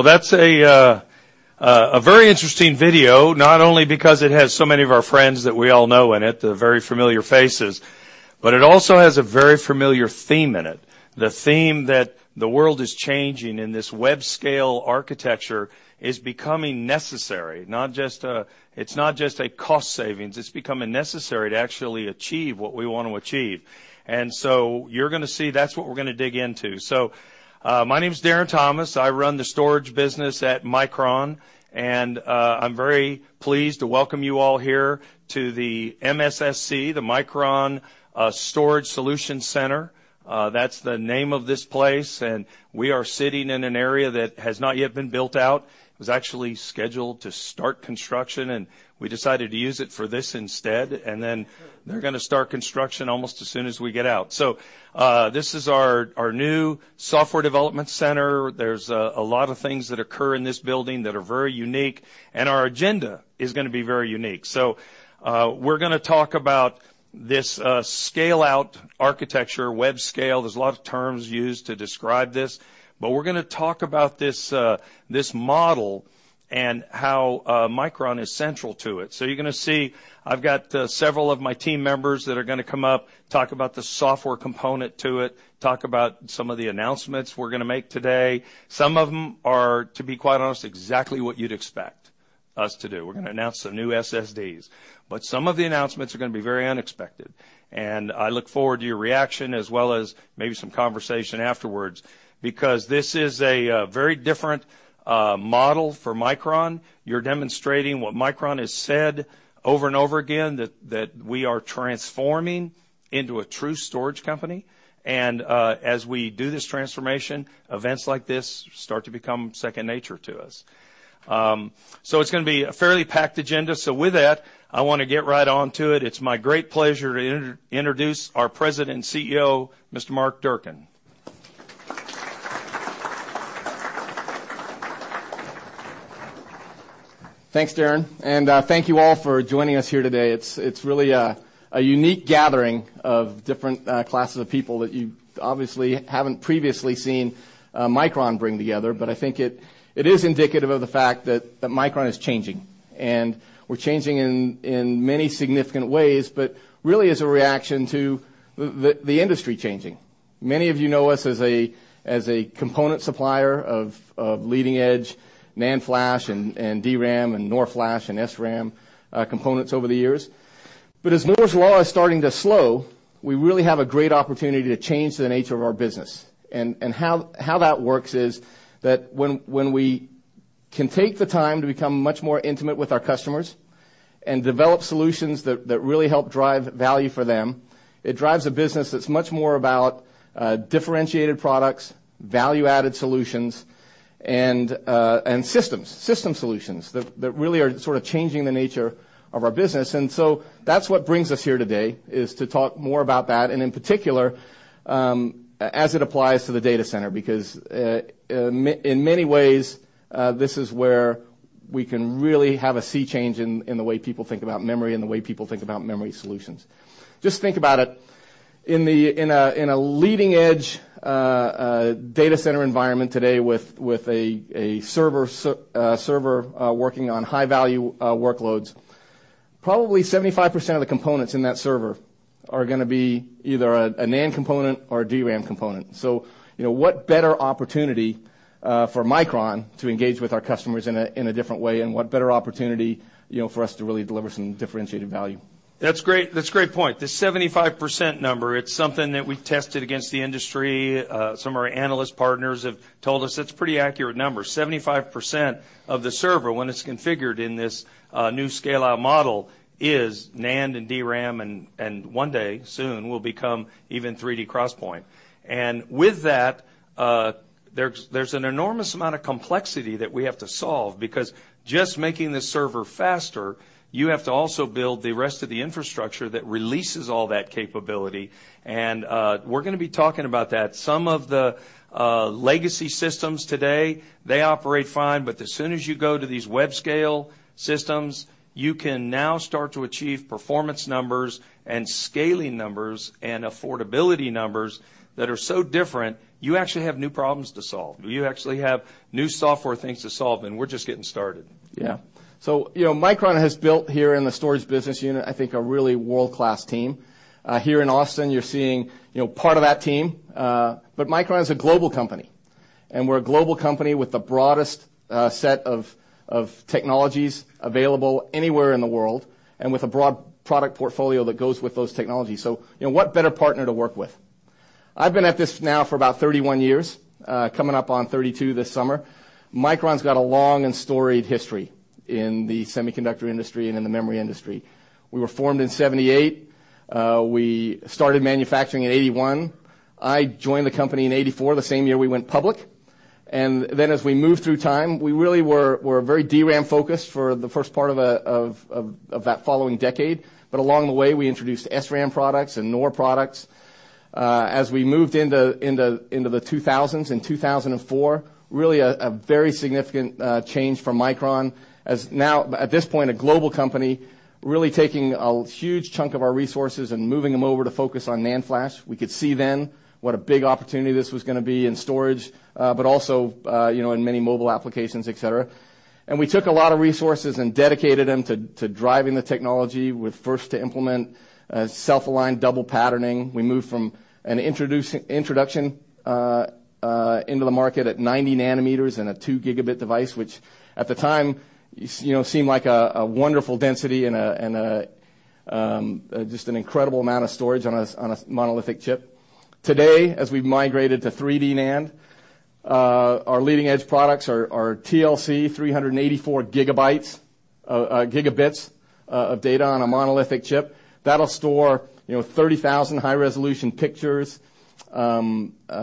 That's a very interesting video, not only because it has so many of our friends that we all know in it, the very familiar faces, but it also has a very familiar theme in it. The theme that the world is changing and this web scale architecture is becoming necessary. It's not just a cost savings. It's becoming necessary to actually achieve what we want to achieve. You're going to see that's what we're going to dig into. My name's Darren Thomas. I run the storage business at Micron, and I'm very pleased to welcome you all here to the MSSC, the Micron Storage Solution Center. That's the name of this place. We are sitting in an area that has not yet been built out. It was actually scheduled to start construction, and we decided to use it for this instead. They're going to start construction almost as soon as we get out. This is our new software development center. There's a lot of things that occur in this building that are very unique, and our agenda is going to be very unique. We're going to talk about this scale-out architecture, web scale. There's a lot of terms used to describe this. We're going to talk about this model and how Micron is central to it. You're going to see I've got several of my team members that are going to come up, talk about the software component to it, talk about some of the announcements we're going to make today. Some of them are, to be quite honest, exactly what you'd expect us to do. We're going to announce some new SSDs. Some of the announcements are going to be very unexpected, and I look forward to your reaction as well as maybe some conversation afterwards because this is a very different model for Micron. You're demonstrating what Micron has said over and over again, that we are transforming into a true storage company. As we do this transformation, events like this start to become second nature to us. It's going to be a fairly packed agenda. With that, I want to get right on to it. It's my great pleasure to introduce our President and CEO, Mr. Mark Durcan. Thanks, Darren. Thank you all for joining us here today. It's really a unique gathering of different classes of people that you obviously haven't previously seen Micron bring together. I think it is indicative of the fact that Micron is changing, and we're changing in many significant ways, but really as a reaction to the industry changing. Many of you know us as a component supplier of leading-edge NAND flash and DRAM and NOR flash and SRAM components over the years. As Moore's Law is starting to slow, we really have a great opportunity to change the nature of our business. How that works is that when we can take the time to become much more intimate with our customers and develop solutions that really help drive value for them, it drives a business that's much more about differentiated products, value-added solutions, and system solutions that really are sort of changing the nature of our business. That's what brings us here today, is to talk more about that, and in particular, as it applies to the data center, because in many ways, this is where we can really have a sea change in the way people think about memory and the way people think about memory solutions. Just think about it. In a leading-edge data center environment today with a server working on high-value workloads, probably 75% of the components in that server are going to be either a NAND component or a DRAM component. What better opportunity for Micron to engage with our customers in a different way, and what better opportunity for us to really deliver some differentiated value? That's a great point. The 75% number, it's something that we've tested against the industry. Some of our analyst partners have told us it's a pretty accurate number. 75% of the server, when it's configured in this new scale-out model, is NAND and DRAM and one day soon will become even 3D XPoint. With that, there's an enormous amount of complexity that we have to solve because just making the server faster, you have to also build the rest of the infrastructure that releases all that capability, and we're going to be talking about that. Some of the legacy systems today, they operate fine, but as soon as you go to these web scale systems, you can now start to achieve performance numbers and scaling numbers and affordability numbers that are so different, you actually have new problems to solve. You actually have new software things to solve, and we're just getting started. Micron has built here in the storage business unit, I think, a really world-class team. Here in Austin, you're seeing part of that team. Micron is a global company, and we're a global company with the broadest set of technologies available anywhere in the world and with a broad product portfolio that goes with those technologies. What better partner to work with? I've been at this now for about 31 years, coming up on 32 this summer. Micron's got a long and storied history in the semiconductor industry and in the memory industry. We were formed in 1978. We started manufacturing in 1981. I joined the company in 1984, the same year we went public. As we moved through time, we really were very DRAM-focused for the first part of that following decade. Along the way, we introduced SRAM products and NOR products. As we moved into the 2000s, in 2004, really a very significant change for Micron as now at this point, a global company really taking a huge chunk of our resources and moving them over to focus on NAND flash. We could see then what a big opportunity this was going to be in storage, but also in many mobile applications, et cetera. We took a lot of resources and dedicated them to driving the technology with first to implement self-aligned double patterning. We moved from an introduction into the market at 90 nanometers in a two gigabit device, which at the time seemed like a wonderful density and just an incredible amount of storage on a monolithic chip. Today, as we've migrated to 3D NAND, our leading-edge products are TLC 384 gigabits of data on a monolithic chip. That'll store 30,000 high-resolution pictures, over 20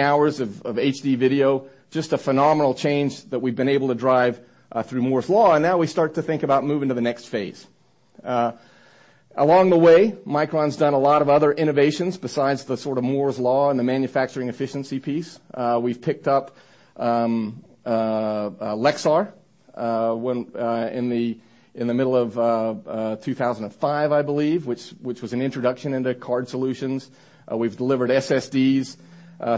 hours of HD video. Just a phenomenal change that we've been able to drive through Moore's Law. Now we start to think about moving to the next phase. Along the way, Micron's done a lot of other innovations besides the sort of Moore's Law and the manufacturing efficiency piece. We've picked up Lexar in the middle of 2005, I believe, which was an introduction into card solutions. We've delivered SSDs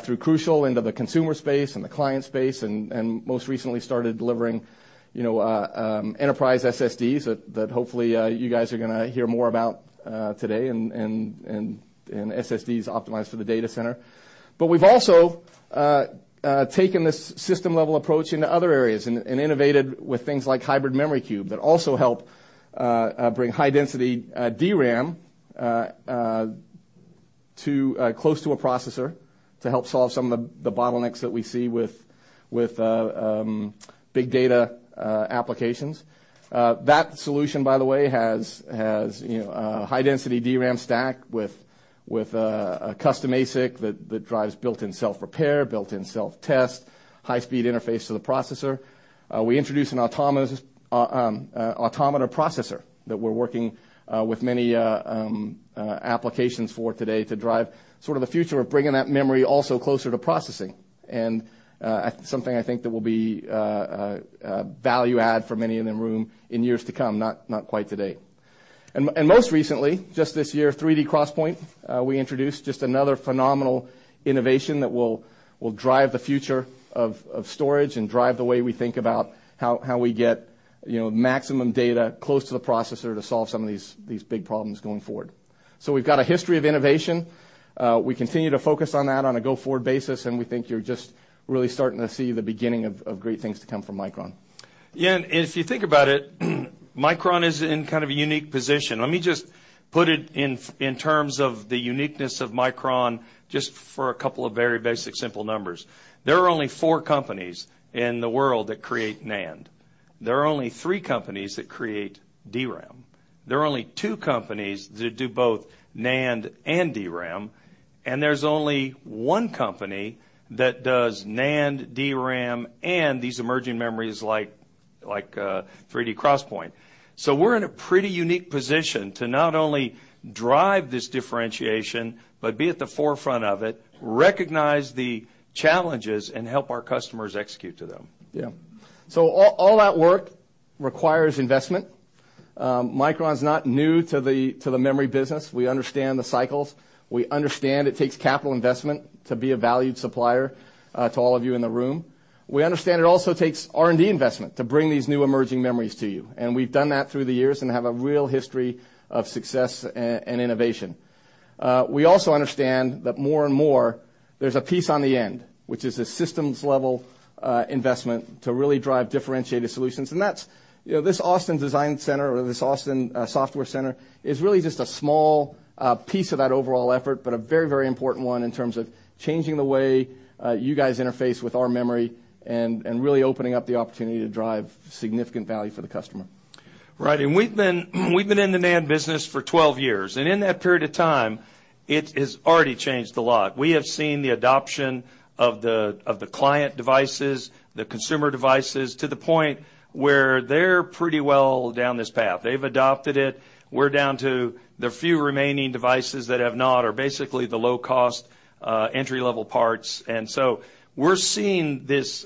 through Crucial into the consumer space and the client space. Most recently started delivering enterprise SSDs that hopefully you guys are going to hear more about today in SSDs optimized for the data center. We've also taken this system-level approach into other areas and innovated with things like Hybrid Memory Cube that also help bring high-density DRAM close to a processor to help solve some of the bottlenecks that we see with big data applications. That solution, by the way, has a high-density DRAM stack with a custom ASIC that drives built-in self-repair, built-in self-test, high-speed interface to the processor. We introduced an Automata Processor that we're working with many applications for today to drive sort of the future of bringing that memory also closer to processing, something I think that will be value add for many in the room in years to come, not quite today. Most recently, just this year, 3D XPoint. We introduced just another phenomenal innovation that will drive the future of storage and drive the way we think about how we get maximum data close to the processor to solve some of these big problems going forward. We've got a history of innovation. We continue to focus on that on a go-forward basis, we think you're just really starting to see the beginning of great things to come from Micron. If you think about it, Micron is in kind of a unique position. Let me just put it in terms of the uniqueness of Micron, just for a couple of very basic, simple numbers. There are only four companies in the world that create NAND. There are only three companies that create DRAM. There are only two companies that do both NAND and DRAM, and there's only one company that does NAND, DRAM, and these emerging memories like 3D XPoint. We're in a pretty unique position to not only drive this differentiation, but be at the forefront of it, recognize the challenges, and help our customers execute to them. All that work requires investment. Micron's not new to the memory business. We understand the cycles. We understand it takes capital investment to be a valued supplier to all of you in the room. We understand it also takes R&D investment to bring these new emerging memories to you, we've done that through the years and have a real history of success and innovation. We also understand that more and more, there's a piece on the end, which is a systems-level investment to really drive differentiated solutions. This Austin design center, or this Austin software center, is really just a small piece of that overall effort, but a very, very important one in terms of changing the way you guys interface with our memory and really opening up the opportunity to drive significant value for the customer. Right. We've been in the NAND business for 12 years, and in that period of time, it has already changed a lot. We have seen the adoption of the client devices, the consumer devices, to the point where they're pretty well down this path. They've adopted it. We're down to the few remaining devices that have not, are basically the low-cost entry-level parts. We're seeing this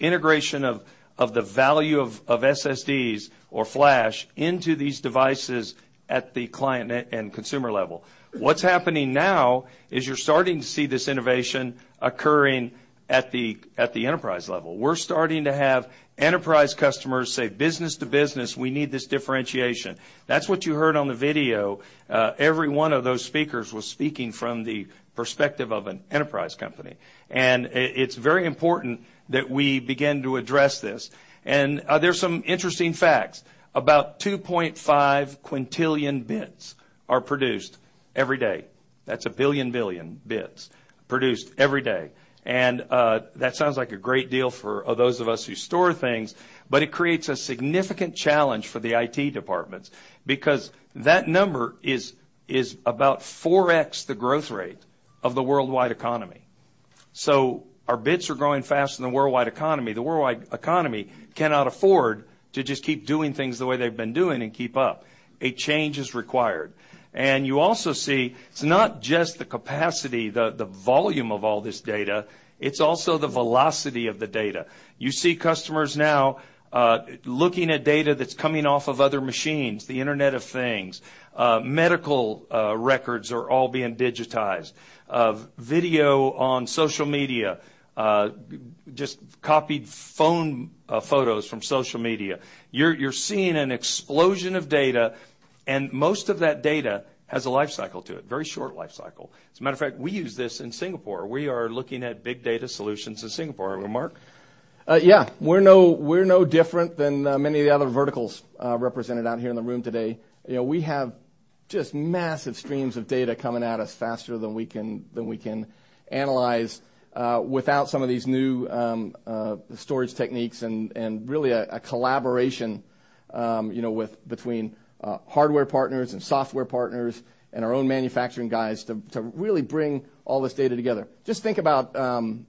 integration of the value of SSDs or flash into these devices at the client and consumer level. What's happening now is you're starting to see this innovation occurring at the enterprise level. We're starting to have enterprise customers say business to business, we need this differentiation. That's what you heard on the video. Every one of those speakers was speaking from the perspective of an enterprise company. It's very important that we begin to address this. There's some interesting facts. About 2.5 quintillion bits are produced every day. That's a billion billion bits produced every day. That sounds like a great deal for those of us who store things, but it creates a significant challenge for the IT departments because that number is about 4x the growth rate of the worldwide economy. Our bits are growing faster than the worldwide economy. The worldwide economy cannot afford to just keep doing things the way they've been doing and keep up. A change is required. You also see it's not just the capacity, the volume of all this data, it's also the velocity of the data. You see customers now looking at data that's coming off of other machines, the Internet of Things. Medical records are all being digitized. Video on social media, just copied phone photos from social media. You're seeing an explosion of data. Most of that data has a life cycle to it, very short life cycle. As a matter of fact, we use this in Singapore. We are looking at big data solutions in Singapore. Mark? Yeah. We're no different than many of the other verticals represented out here in the room today. We have just massive streams of data coming at us faster than we can analyze without some of these new storage techniques and really a collaboration between hardware partners and software partners, and our own manufacturing guys to really bring all this data together. Just think about a $6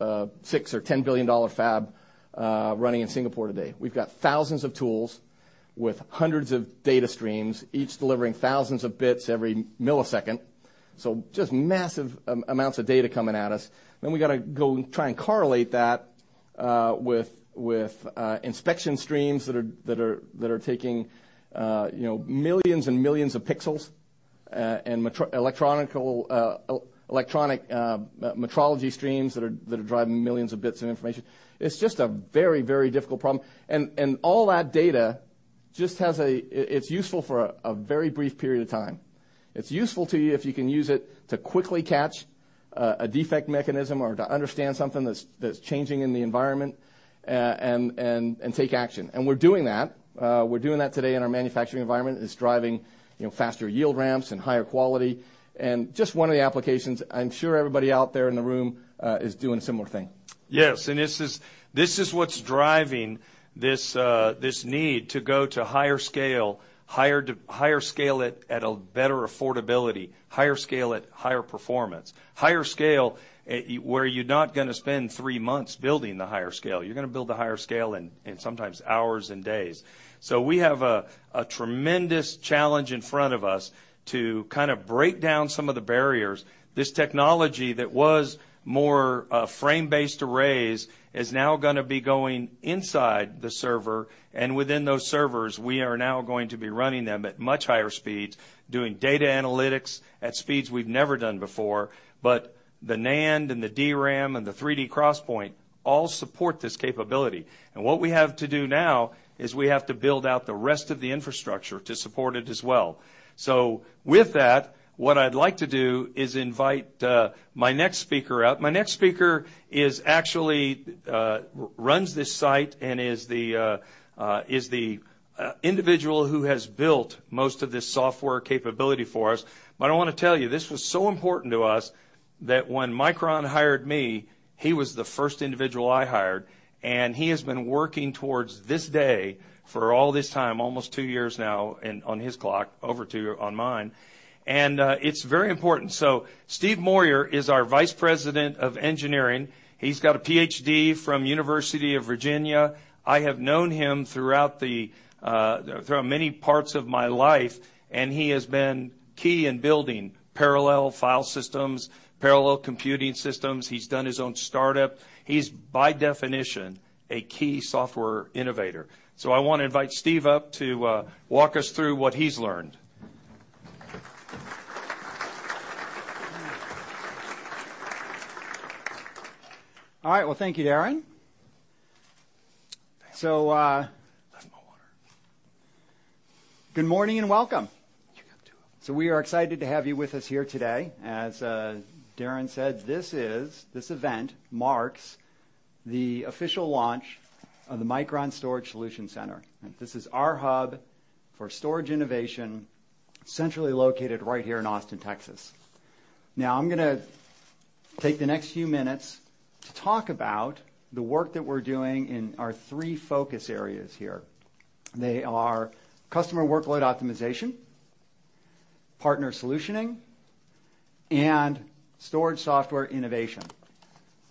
or $10 billion fab running in Singapore today. We've got thousands of tools with hundreds of data streams, each delivering thousands of bits every millisecond. Just massive amounts of data coming at us. We've got to go and try and correlate that with inspection streams that are taking millions and millions of pixels, and electronic metrology streams that are driving millions of bits of information. It's just a very difficult problem. All that data, it's useful for a very brief period of time. It's useful to you if you can use it to quickly catch a defect mechanism or to understand something that's changing in the environment and take action. We're doing that. We're doing that today in our manufacturing environment. It's driving faster yield ramps and higher quality. Just one of the applications, I'm sure everybody out there in the room is doing a similar thing. Yes, this is what's driving this need to go to higher scale at a better affordability, higher scale at higher performance. Higher scale where you're not going to spend 3 months building the higher scale. You're going to build the higher scale in sometimes hours and days. We have a tremendous challenge in front of us to break down some of the barriers. This technology that was more frame-based arrays is now going to be going inside the server. Within those servers, we are now going to be running them at much higher speeds, doing data analytics at speeds we've never done before. The NAND and the DRAM and the 3D XPoint all support this capability. What we have to do now is we have to build out the rest of the infrastructure to support it as well. With that, what I'd like to do is invite my next speaker up. My next speaker actually runs this site and is the individual who has built most of this software capability for us. I want to tell you, this was so important to us that when Micron hired me, he was the first individual I hired, and he has been working towards this day for all this time, almost two years now, and on his clock, over two on mine. It's very important. Steve Moyer is our vice president of engineering. He's got a PhD from University of Virginia. I have known him throughout many parts of my life, and he has been key in building parallel file systems, parallel computing systems. He's done his own startup. He's by definition, a key software innovator. I want to invite Steve up to walk us through what he's learned. All right. Well, thank you, Darren. Thank you. So- Left my water. Good morning and welcome. You got two of them. We are excited to have you with us here today. As Darren said, this event marks the official launch of the Micron Storage Solution Center. This is our hub for storage innovation, centrally located right here in Austin, Texas. I'm going to take the next few minutes to talk about the work that we're doing in our three focus areas here. They are customer workload optimization, partner solutioning, and storage software innovation.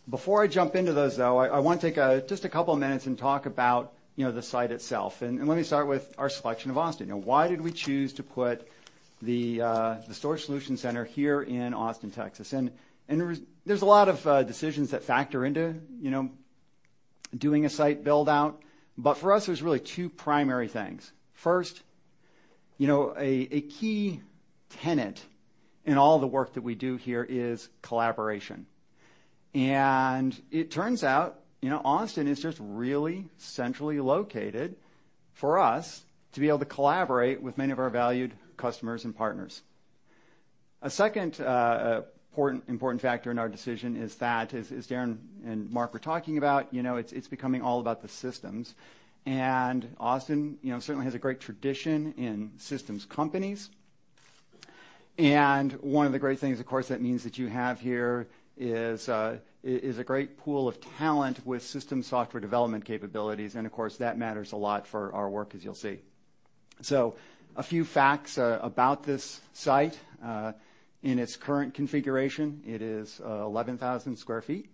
Before I jump into those, though, I want to take just a couple of minutes and talk about the site itself. Let me start with our selection of Austin. Why did we choose to put the Storage Solution Center here in Austin, Texas? There's a lot of decisions that factor into doing a site build-out. For us, there's really two primary things. First, a key tenet in all the work that we do here is collaboration. It turns out, Austin is just really centrally located for us to be able to collaborate with many of our valued customers and partners. A second important factor in our decision is that, as Darren and Mark were talking about, it's becoming all about the systems. Austin certainly has a great tradition in systems companies. One of the great things, of course, that means that you have here is a great pool of talent with system software development capabilities. Of course, that matters a lot for our work, as you'll see. A few facts about this site. In its current configuration, it is 11,000 square feet.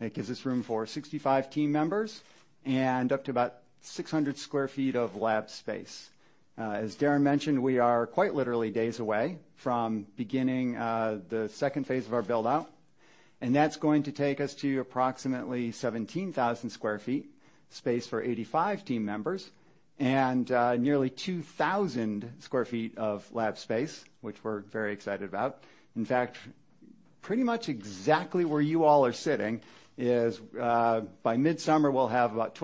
It gives us room for 65 team members and up to about 600 square feet of lab space. As Darren mentioned, we are quite literally days away from beginning the second phase of our build-out, and that's going to take us to approximately 17,000 square feet, space for 85 team members, and nearly 2,000 square feet of lab space, which we're very excited about. Pretty much exactly where you all are sitting is, by midsummer, we'll have about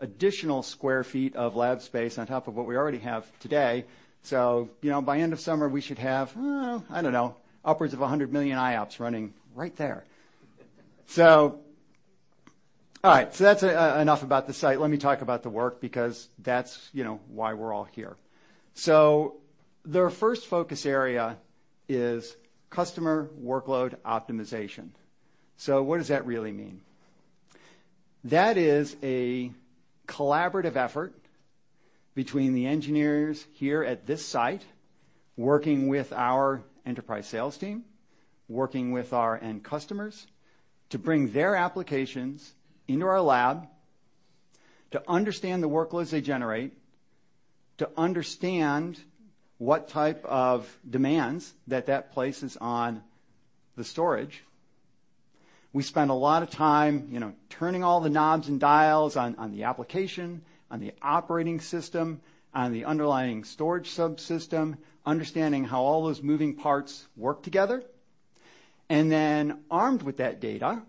1,200 additional square feet of lab space on top of what we already have today. By end of summer, we should have, I don't know, upwards of 100 million IOPS running right there. All right. That's enough about the site. Let me talk about the work because that's why we're all here. The first focus area is customer workload optimization. What does that really mean? That is a collaborative effort between the engineers here at this site, working with our enterprise sales team, working with our end customers, to bring their applications into our lab, to understand the workloads they generate, to understand what type of demands that places on the storage. We spend a lot of time turning all the knobs and dials on the application, on the operating system, on the underlying storage subsystem, understanding how all those moving parts work together. Then armed with that data,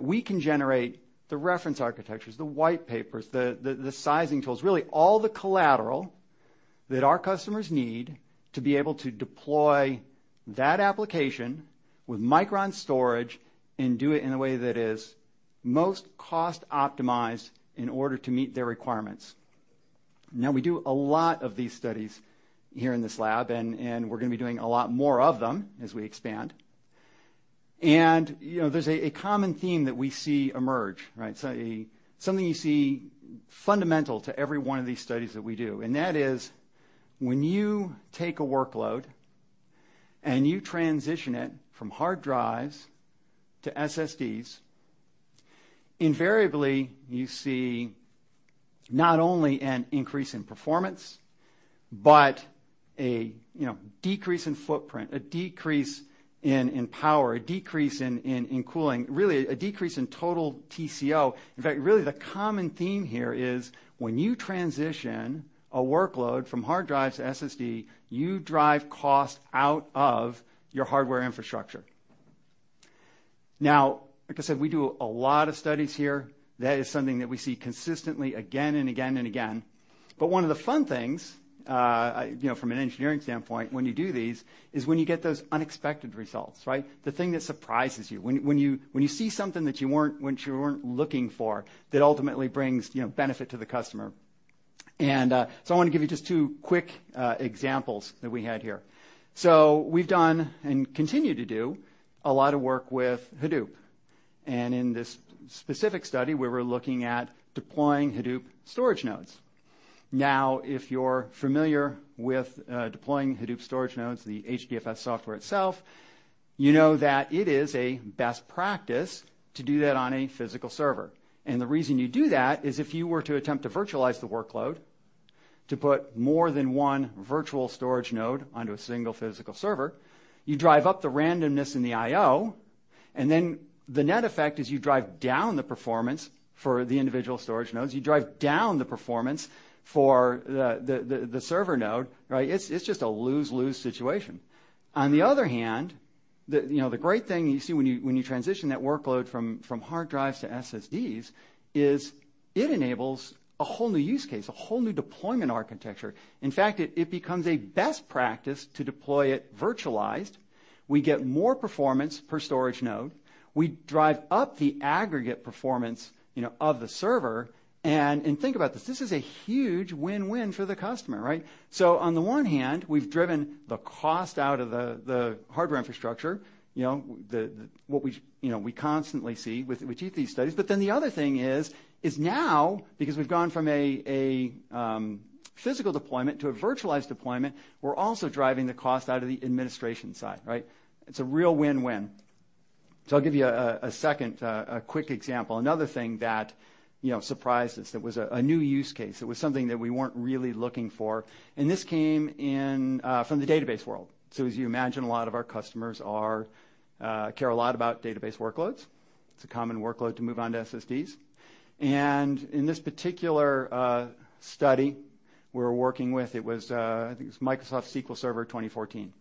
we can generate the reference architectures, the white papers, the sizing tools, really all the collateral that our customers need to be able to deploy that application with Micron storage and do it in a way that is most cost optimized in order to meet their requirements. We do a lot of these studies here in this lab, and we're going to be doing a lot more of them as we expand. There's a common theme that we see emerge. Something you see fundamental to every one of these studies that we do, and that is when you take a workload, and you transition it from hard drives to SSDs, invariably, you see not only an increase in performance, but a decrease in footprint, a decrease in power, a decrease in cooling, really a decrease in total TCO. Really the common theme here is when you transition a workload from hard drive to SSD, you drive cost out of your hardware infrastructure. Like I said, we do a lot of studies here. That is something that we see consistently again and again and again. One of the fun things, from an engineering standpoint, when you do these, is when you get those unexpected results. The thing that surprises you. When you see something that you weren't looking for that ultimately brings benefit to the customer. I want to give you just two quick examples that we had here. We've done and continue to do a lot of work with Hadoop. In this specific study, we were looking at deploying Hadoop storage nodes. If you're familiar with deploying Hadoop storage nodes, the HDFS software itself, you know that it is a best practice to do that on a physical server. The reason you do that is if you were to attempt to virtualize the workload, to put more than one virtual storage node onto a single physical server, you drive up the randomness in the IO, the net effect is you drive down the performance for the individual storage nodes. You drive down the performance for the server node. It's just a lose-lose situation. On the other hand, the great thing you see when you transition that workload from hard drives to SSDs is it enables a whole new use case, a whole new deployment architecture. It becomes a best practice to deploy it virtualized. We get more performance per storage node. We drive up the aggregate performance of the server. Think about this. This is a huge win-win for the customer, right? On the one hand, we've driven the cost out of the hardware infrastructure. What we constantly see with these studies. The other thing is now, because we've gone from a physical deployment to a virtualized deployment, we're also driving the cost out of the administration side. It's a real win-win. I'll give you a second quick example. Another thing that surprised us. It was a new use case. It was something that we weren't really looking for, and this came from the database world. As you imagine, a lot of our customers care a lot about database workloads. It's a common workload to move on to SSDs. In this particular study we were working with, I think it was Microsoft SQL Server 2014.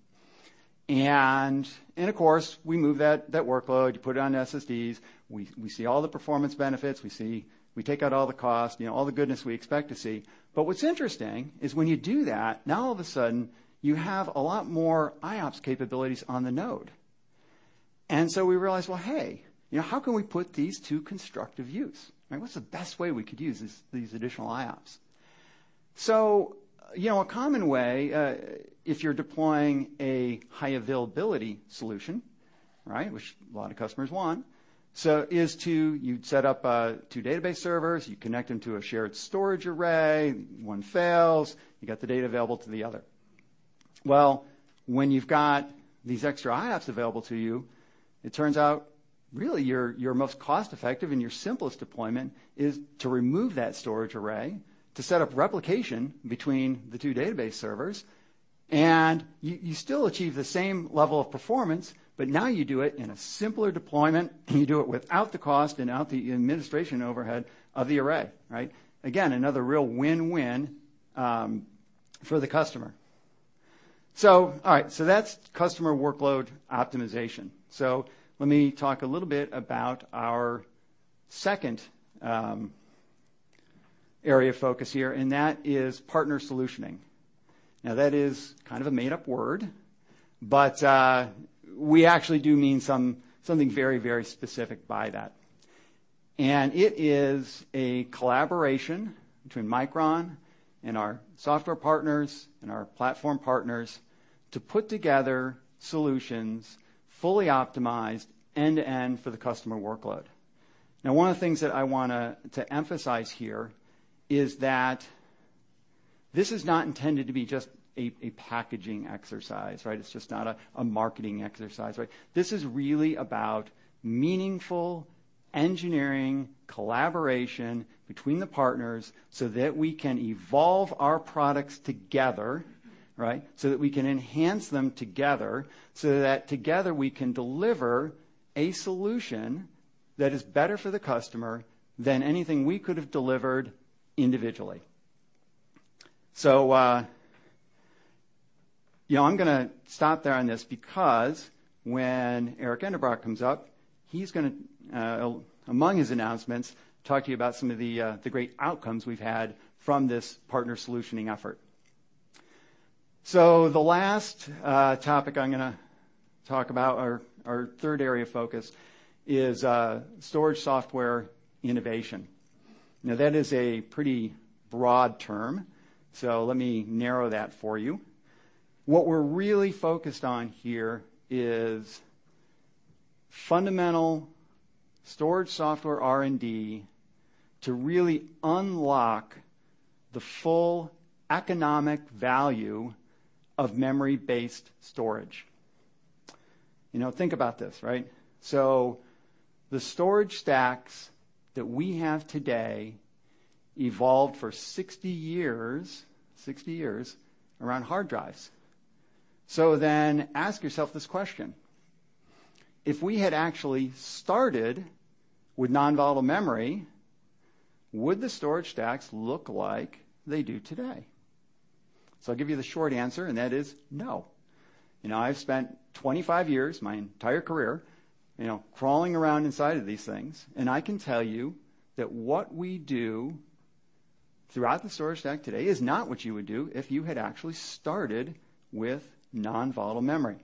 Of course, we move that workload, you put it on SSDs, we see all the performance benefits. We take out all the cost, all the goodness we expect to see. What's interesting is when you do that, now all of a sudden, you have a lot more IOPS capabilities on the node. We realized, well, hey, how can we put these to constructive use? What's the best way we could use these additional IOPS? A common way, if you're deploying a high availability solution, which a lot of customers want, is you'd set up two database servers. You connect them to a shared storage array. One fails, you got the data available to the other. Well, when you've got these extra IOPS available to you, it turns out really your most cost-effective and your simplest deployment is to remove that storage array, to set up replication between the two database servers. You still achieve the same level of performance, but now you do it in a simpler deployment, and you do it without the cost and without the administration overhead of the array. Again, another real win-win for the customer. All right. That's customer workload optimization. Let me talk a little bit about our second area of focus here, and that is partner solutioning. Now, that is kind of a made-up word, but we actually do mean something very specific by that. It is a collaboration between Micron and our software partners and our platform partners to put together solutions fully optimized end-to-end for the customer workload. Now, one of the things that I want to emphasize here is that this is not intended to be just a packaging exercise, right? It's just not a marketing exercise, right? This is really about meaningful engineering collaboration between the partners so that we can evolve our products together, right, so that we can enhance them together, so that together we can deliver a solution that is better for the customer than anything we could have delivered individually. I'm going to stop there on this because when Darren Endebrock comes up, he's going to, among his announcements, talk to you about some of the great outcomes we've had from this partner solutioning effort. The last topic I'm going to talk about, our third area of focus, is storage software innovation. Now, that is a pretty broad term, so let me narrow that for you. What we're really focused on here is fundamental storage software R&D to really unlock the full economic value of memory-based storage. Think about this, right? The storage stacks that we have today evolved for 60 years around hard drives. Ask yourself this question: If we had actually started with non-volatile memory, would the storage stacks look like they do today? I'll give you the short answer, and that is no. I've spent 25 years, my entire career, crawling around inside of these things, and I can tell you that what we do throughout the storage stack today is not what you would do if you had actually started with non-volatile memory.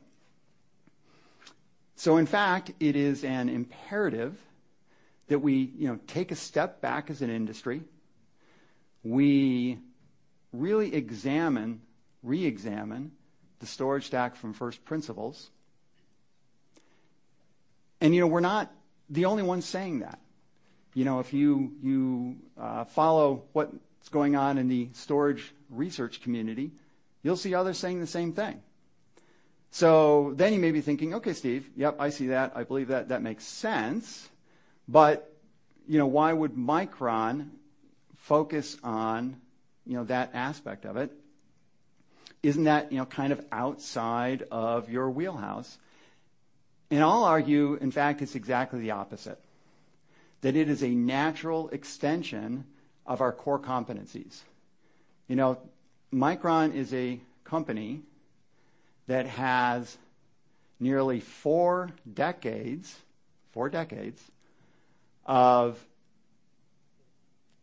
In fact, it is an imperative that we take a step back as an industry. We really examine, reexamine, the storage stack from first principles. We're not the only ones saying that. If you follow what's going on in the storage research community, you'll see others saying the same thing. You may be thinking, "Okay, Steve. Yep, I see that. I believe that. That makes sense, but why would Micron focus on that aspect of it? Isn't that kind of outside of your wheelhouse?" I'll argue, in fact, it's exactly the opposite, that it is a natural extension of our core competencies. Micron is a company that has nearly four decades of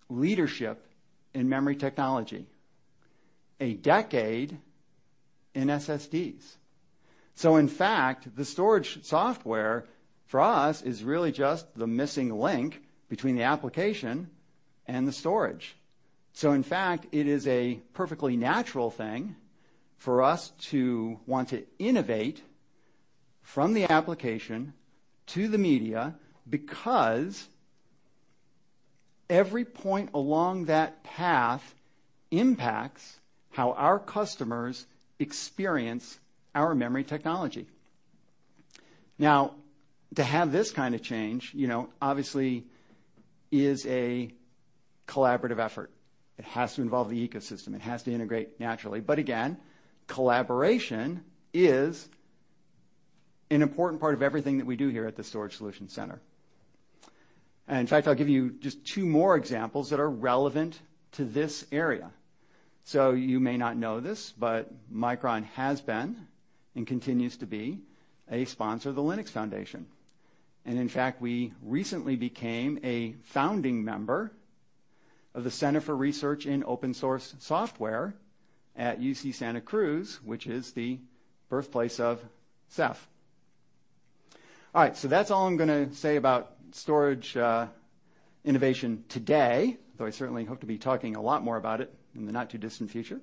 leadership in memory technology, a decade in SSDs. In fact, the storage software for us is really just the missing link between the application and the storage. In fact, it is a perfectly natural thing for us to want to innovate from the application to the media because every point along that path impacts how our customers experience our memory technology. To have this kind of change, obviously is a collaborative effort. It has to involve the ecosystem. It has to integrate naturally. Again, collaboration is an important part of everything that we do here at the Micron Storage Solution Center. In fact, I'll give you just two more examples that are relevant to this area. You may not know this, but Micron has been, and continues to be, a sponsor of The Linux Foundation. In fact, we recently became a founding member of the Center for Research in Open Source Software at UC Santa Cruz, which is the birthplace of Ceph. All right. That's all I'm going to say about storage innovation today, though I certainly hope to be talking a lot more about it in the not-too-distant future.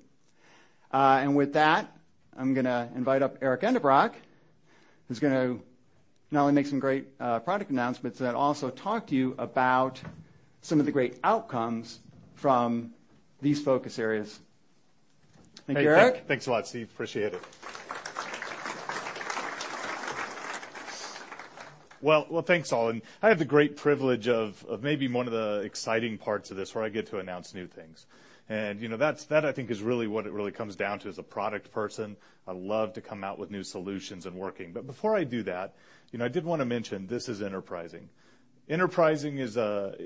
With that, I'm going to invite up Darren Endebrock, who's going to not only make some great product announcements but also talk to you about some of the great outcomes from these focus areas. Thank you, Darren. Thanks a lot, Steve. Appreciate it. Thanks, all, I have the great privilege of maybe one of the exciting parts of this, where I get to announce new things. That I think is really what it really comes down to. As a product person, I love to come out with new solutions and working. Before I do that, I did want to mention, this is Enterprising. Enterprising is a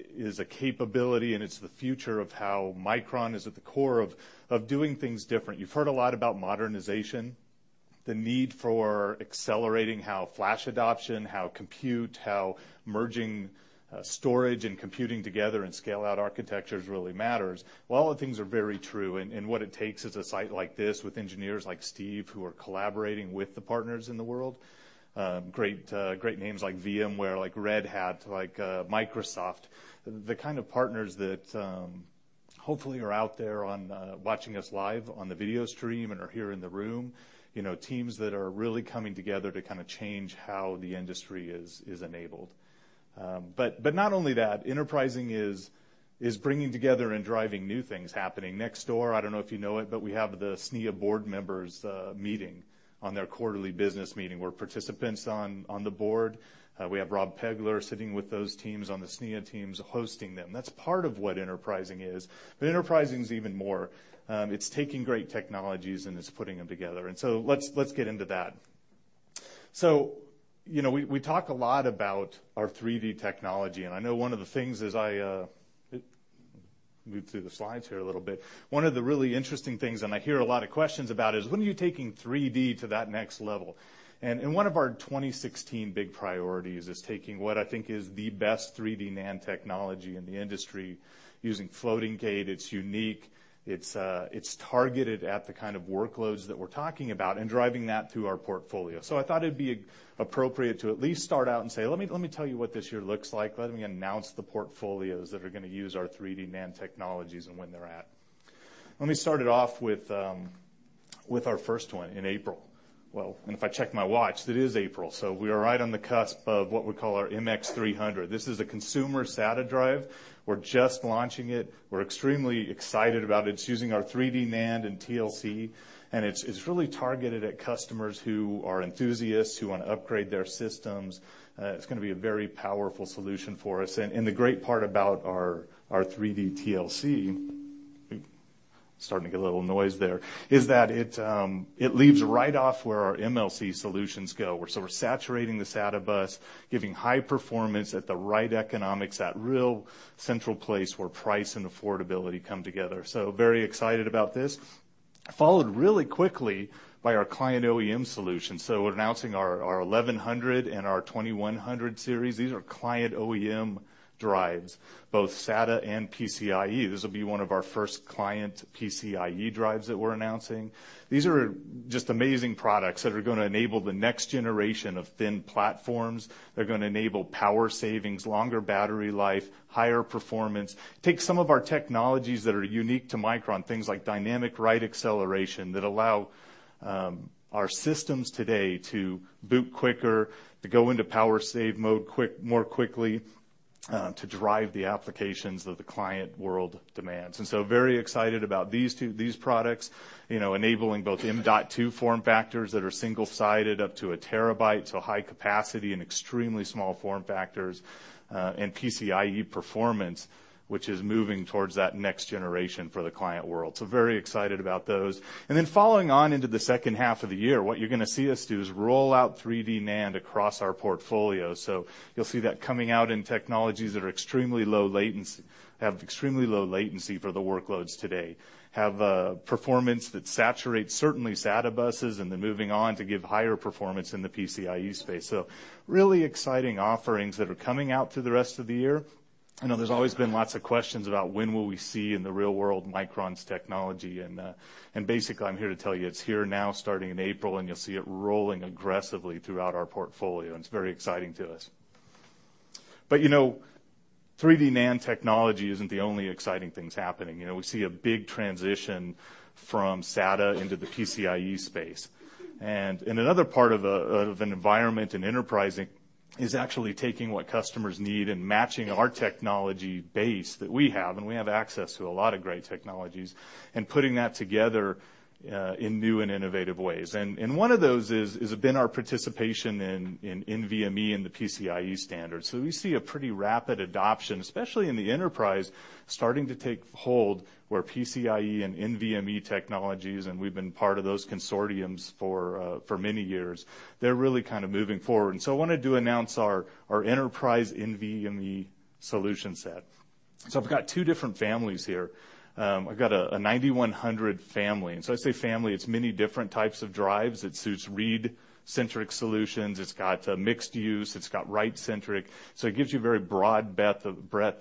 capability, and it's the future of how Micron is at the core of doing things different. You've heard a lot about modernization The need for accelerating how flash adoption, how compute, how merging storage and computing together and scale out architectures really matters. All the things are very true, and what it takes is a site like this with engineers like Steve, who are collaborating with the partners in the world. Great names like VMware, like Red Hat, like Microsoft, the kind of partners that hopefully are out there watching us live on the video stream and are here in the room. Teams that are really coming together to change how the industry is enabled. Not only that, Enterprising is bringing together and driving new things happening. Next door, I don't know if you know it, but we have the SNIA board members' meeting on their quarterly business meeting. We're participants on the board. We have Rob Peglar sitting with those teams on the SNIA teams, hosting them. That's part of what Enterprising is. Enterprising is even more. It's taking great technologies, and it's putting them together. Let's get into that. We talk a lot about our 3D technology, and I know one of the things as I move through the slides here a little bit. One of the really interesting things, and I hear a lot of questions about is, when are you taking 3D to that next level? One of our 2016 big priorities is taking what I think is the best 3D NAND technology in the industry, using floating gate. It's unique. It's targeted at the kind of workloads that we're talking about and driving that through our portfolio. I thought it'd be appropriate to at least start out and say, let me tell you what this year looks like. Let me announce the portfolios that are going to use our 3D NAND technologies and when they're at. Let me start it off with our first one in April. Well, if I check my watch, it is April, so we are right on the cusp of what we call our MX300. This is a consumer SATA drive. We're just launching it. We're extremely excited about it. It's using our 3D NAND and TLC. It's really targeted at customers who are enthusiasts, who want to upgrade their systems. It's going to be a very powerful solution for us. The great part about our 3D TLC, starting to get a little noise there, is that it leaves right off where our MLC solutions go. We're saturating the SATA bus, giving high performance at the right economics, that real central place where price and affordability come together. Very excited about this. Followed really quickly by our client OEM solution. We're announcing our 1100 and our 2100 series. These are client OEM drives, both SATA and PCIe. This will be one of our first client PCIe drives that we're announcing. These are just amazing products that are going to enable the next generation of thin platforms. They're going to enable power savings, longer battery life, higher performance. Take some of our technologies that are unique to Micron, things like Dynamic Write Acceleration, that allow our systems today to boot quicker, to go into power save mode more quickly, to drive the applications that the client world demands. Very excited about these products, enabling both M.2 form factors that are single-sided up to a terabyte, so high capacity and extremely small form factors, and PCIe performance, which is moving towards that next generation for the client world. Very excited about those. Following on into the second half of the year, what you're going to see us do is roll out 3D NAND across our portfolio. You'll see that coming out in technologies that have extremely low latency for the workloads today, have performance that saturates certainly SATA buses and then moving on to give higher performance in the PCIe space. Really exciting offerings that are coming out through the rest of the year. I know there's always been lots of questions about when will we see in the real world Micron's technology, I'm here to tell you it's here now starting in April, you'll see it rolling aggressively throughout our portfolio, and it's very exciting to us. 3D NAND technology isn't the only exciting things happening. We see a big transition from SATA into the PCIe space. Another part of an environment in Enterprising is actually taking what customers need and matching our technology base that we have, we have access to a lot of great technologies, putting that together in new and innovative ways. One of those has been our participation in NVMe and the PCIe standards. We see a pretty rapid adoption, especially in the enterprise, starting to take hold where PCIe and NVMe technologies, we've been part of those consortiums for many years. They're really moving forward. I wanted to announce our enterprise NVMe solution set. I've got two different families here. I've got a 9100 family. I say family, it's many different types of drives. It suits read-centric solutions. It's got mixed use. It's got write-centric. It gives you a very broad breadth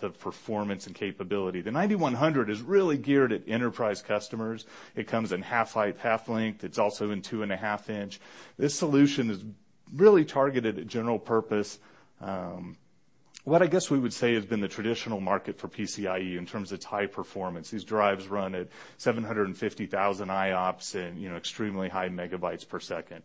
of performance and capability. The 9100 is really geared at enterprise customers. It comes in half height, half length. It's also in two and a half inch. This solution is really targeted at general purpose, what I guess we would say has been the traditional market for PCIe in terms of its high performance. These drives run at 750,000 IOPS and extremely high megabytes per second.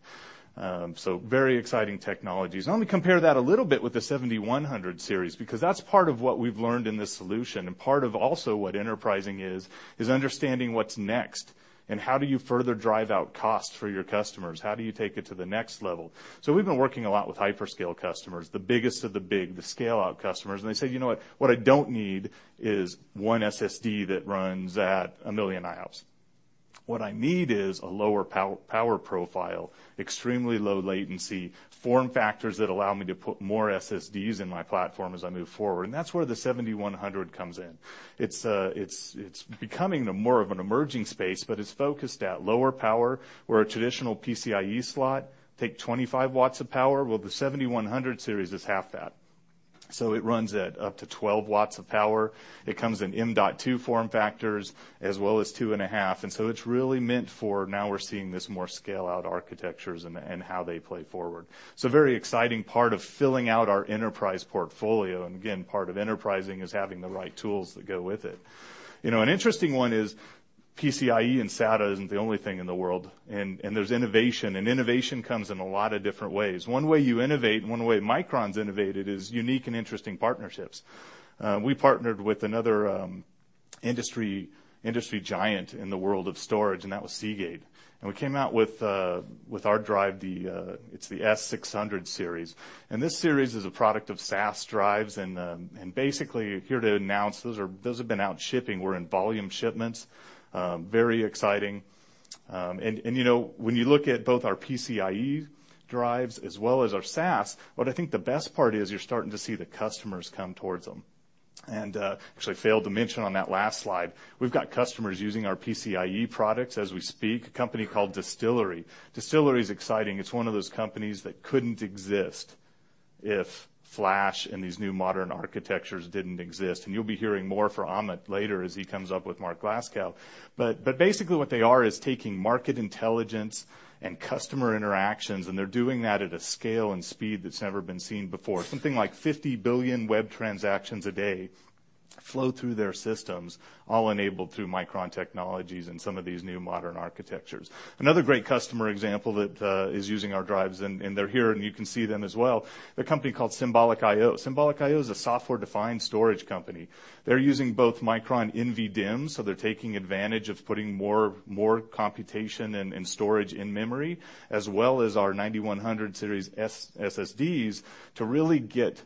Very exciting technologies. Now let me compare that a little bit with the 7100 series, because that's part of what we've learned in this solution and part of also what Enterprising is understanding what's next and how do you further drive out costs for your customers? How do you take it to the next level? We've been working a lot with hyperscale customers, the biggest of the big, the scale-out customers, they say, "You know what? What I don't need is one SSD that runs at 1 million IOPS. What I need is a lower power profile, extremely low latency, form factors that allow me to put more SSDs in my platform as I move forward." That's where the 7100 comes in. It's becoming more of an emerging space, but it's focused at lower power, where a traditional PCIe slot take 25 watts of power. Well, the 7100 series is half that. It runs at up to 12 watts of power. It comes in M.2 form factors, as well as two and a half. It's really meant for now we're seeing this more scale-out architectures and how they play forward. Very exciting part of filling out our enterprise portfolio, again, part of Enterprising is having the right tools that go with it. An interesting one is PCIe and SATA isn't the only thing in the world, there's innovation, and innovation comes in a lot of different ways. One way you innovate, and one way Micron's innovated is unique and interesting partnerships. We partnered with another industry giant in the world of storage, that was Seagate. We came out with our drive, it's the S600 series. This series is a product of SAS drives and basically here to announce, those have been out shipping. We're in volume shipments. Very exciting. When you look at both our PCIe drives as well as our SAS, what I think the best part is you're starting to see the customers come towards them. Actually failed to mention on that last slide, we've got customers using our PCIe products as we speak, a company called Distillery. Distillery's exciting. It's one of those companies that couldn't exist if flash and these new modern architectures didn't exist, you'll be hearing more from Amit later as he comes up with Mark Glasgow. Basically what they are is taking market intelligence and customer interactions, they're doing that at a scale and speed that's never been seen before. Something like 50 billion web transactions a day flow through their systems, all enabled through Micron technologies and some of these new modern architectures. Another great customer example that is using our drives, they're here and you can see them as well, they're a company called Symbolic IO. Symbolic IO is a software-defined storage company. They're using both Micron NVDIMMs, so they're taking advantage of putting more computation and storage in memory, as well as our 9100 series SSDs to really get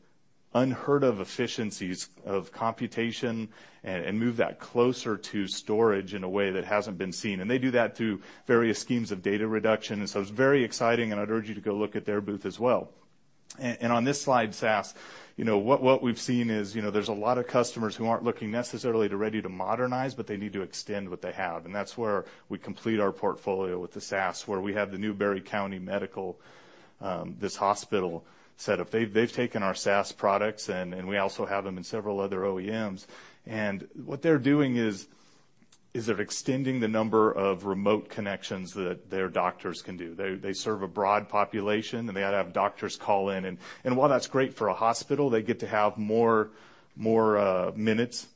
unheard of efficiencies of computation and move that closer to storage in a way that hasn't been seen. They do that through various schemes of data reduction. It's very exciting, I'd urge you to go look at their booth as well. On this slide, SAS, what we've seen is there's a lot of customers who aren't looking necessarily to ready to modernize, but they need to extend what they have, that's where we complete our portfolio with the SAS, where we have the Newberry County Memorial, this hospital set up. They've taken our SAS products, and we also have them in several other OEMs. What they're doing is they're extending the number of remote connections that their doctors can do. They serve a broad population, they have doctors call in. While that's great for a hospital, they get to have more minutes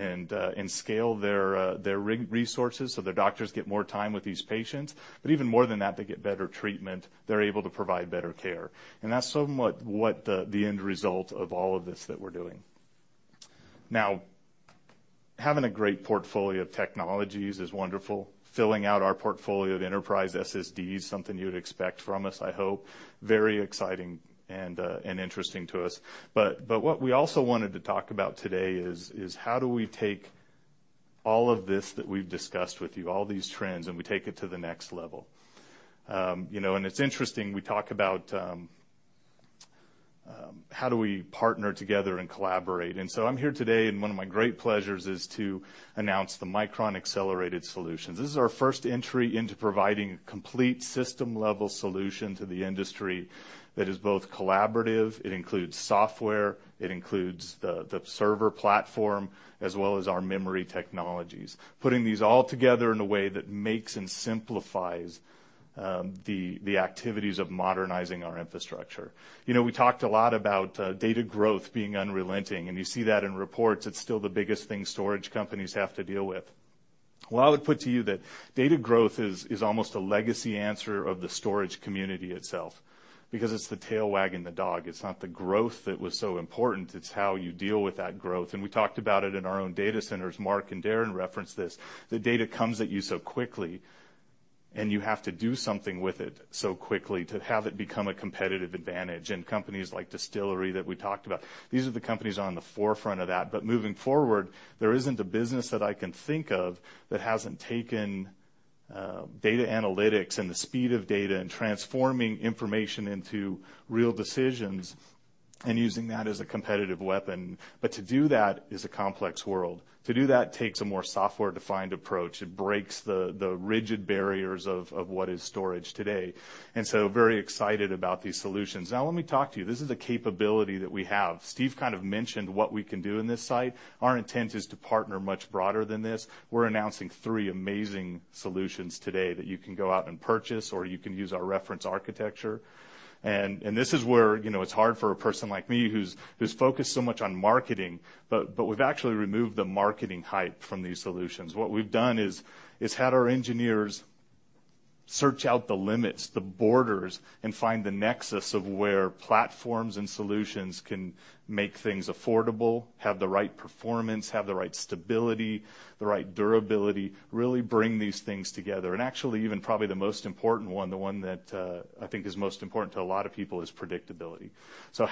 and scale their resources so their doctors get more time with these patients. Even more than that, they get better treatment. They're able to provide better care. That's somewhat what the end result of all of this that we're doing. Now, having a great portfolio of technologies is wonderful. Filling out our portfolio of enterprise SSD is something you would expect from us, I hope. Very exciting and interesting to us. What we also wanted to talk about today is how do we take all of this that we've discussed with you, all these trends, we take it to the next level. It's interesting, we talk about how do we partner together and collaborate. I'm here today, and one of my great pleasures is to announce the Micron Accelerated Solutions. This is our first entry into providing a complete system-level solution to the industry that is both collaborative, it includes software, it includes the server platform, as well as our memory technologies. Putting these all together in a way that makes and simplifies the activities of modernizing our infrastructure. We talked a lot about data growth being unrelenting, and you see that in reports. It's still the biggest thing storage companies have to deal with. I would put to you that data growth is almost a legacy answer of the storage community itself because it's the tail wagging the dog. It's not the growth that was so important, it's how you deal with that growth. We talked about it in our own data centers. Mark and Darren referenced this. The data comes at you so quickly, and you have to do something with it so quickly to have it become a competitive advantage. Companies like Distillery that we talked about, these are the companies on the forefront of that. Moving forward, there isn't a business that I can think of that hasn't taken data analytics and the speed of data and transforming information into real decisions and using that as a competitive weapon. To do that is a complex world. To do that takes a more software-defined approach. It breaks the rigid barriers of what is storage today. Very excited about these solutions. Now let me talk to you. This is a capability that we have. Steve kind of mentioned what we can do in this site. Our intent is to partner much broader than this. We're announcing three amazing solutions today that you can go out and purchase, or you can use our reference architecture. This is where it's hard for a person like me who's focused so much on marketing, we've actually removed the marketing hype from these solutions. What we've done is had our engineers search out the limits, the borders, and find the nexus of where platforms and solutions can make things affordable, have the right performance, have the right stability, the right durability, really bring these things together. Actually, even probably the most important one, the one that I think is most important to a lot of people, is predictability.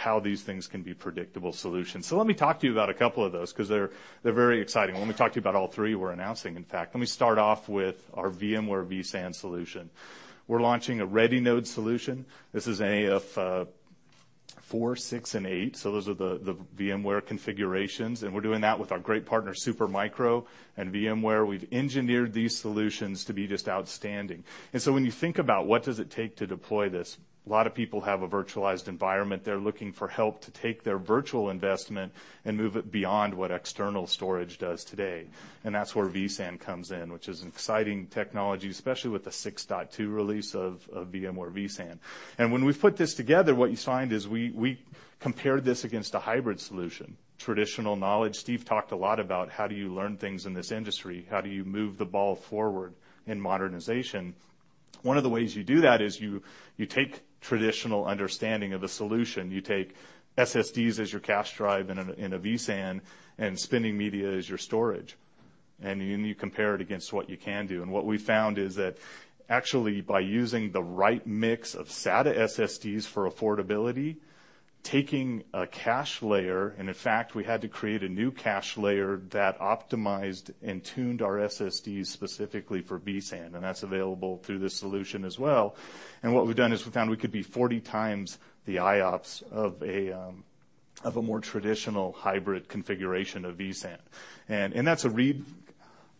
How these things can be predictable solutions. Let me talk to you about a couple of those because they're very exciting. I want to talk to you about all three we're announcing, in fact. Let me start off with our VMware vSAN solution. We're launching a ready node solution. This is a of- Four, six, and eight. Those are the VMware configurations, and we're doing that with our great partner, Supermicro and VMware. We've engineered these solutions to be just outstanding. When you think about what does it take to deploy this, a lot of people have a virtualized environment. They're looking for help to take their virtual investment and move it beyond what external storage does today. That's where vSAN comes in, which is an exciting technology, especially with the 6.2 release of VMware vSAN. When we put this together, what you find is we compared this against a hybrid solution, traditional knowledge. Steve talked a lot about how do you learn things in this industry, how do you move the ball forward in modernization. One of the ways you do that is you take traditional understanding of a solution. You take SSDs as your cache drive in a vSAN, and spinning media as your storage. Then you compare it against what you can do. What we found is that actually, by using the right mix of SATA SSDs for affordability, taking a cache layer, in fact, we had to create a new cache layer that optimized and tuned our SSDs specifically for vSAN, and that's available through this solution as well. What we've done is we found we could be 40 times the IOPS of a more traditional hybrid configuration of vSAN. That's a read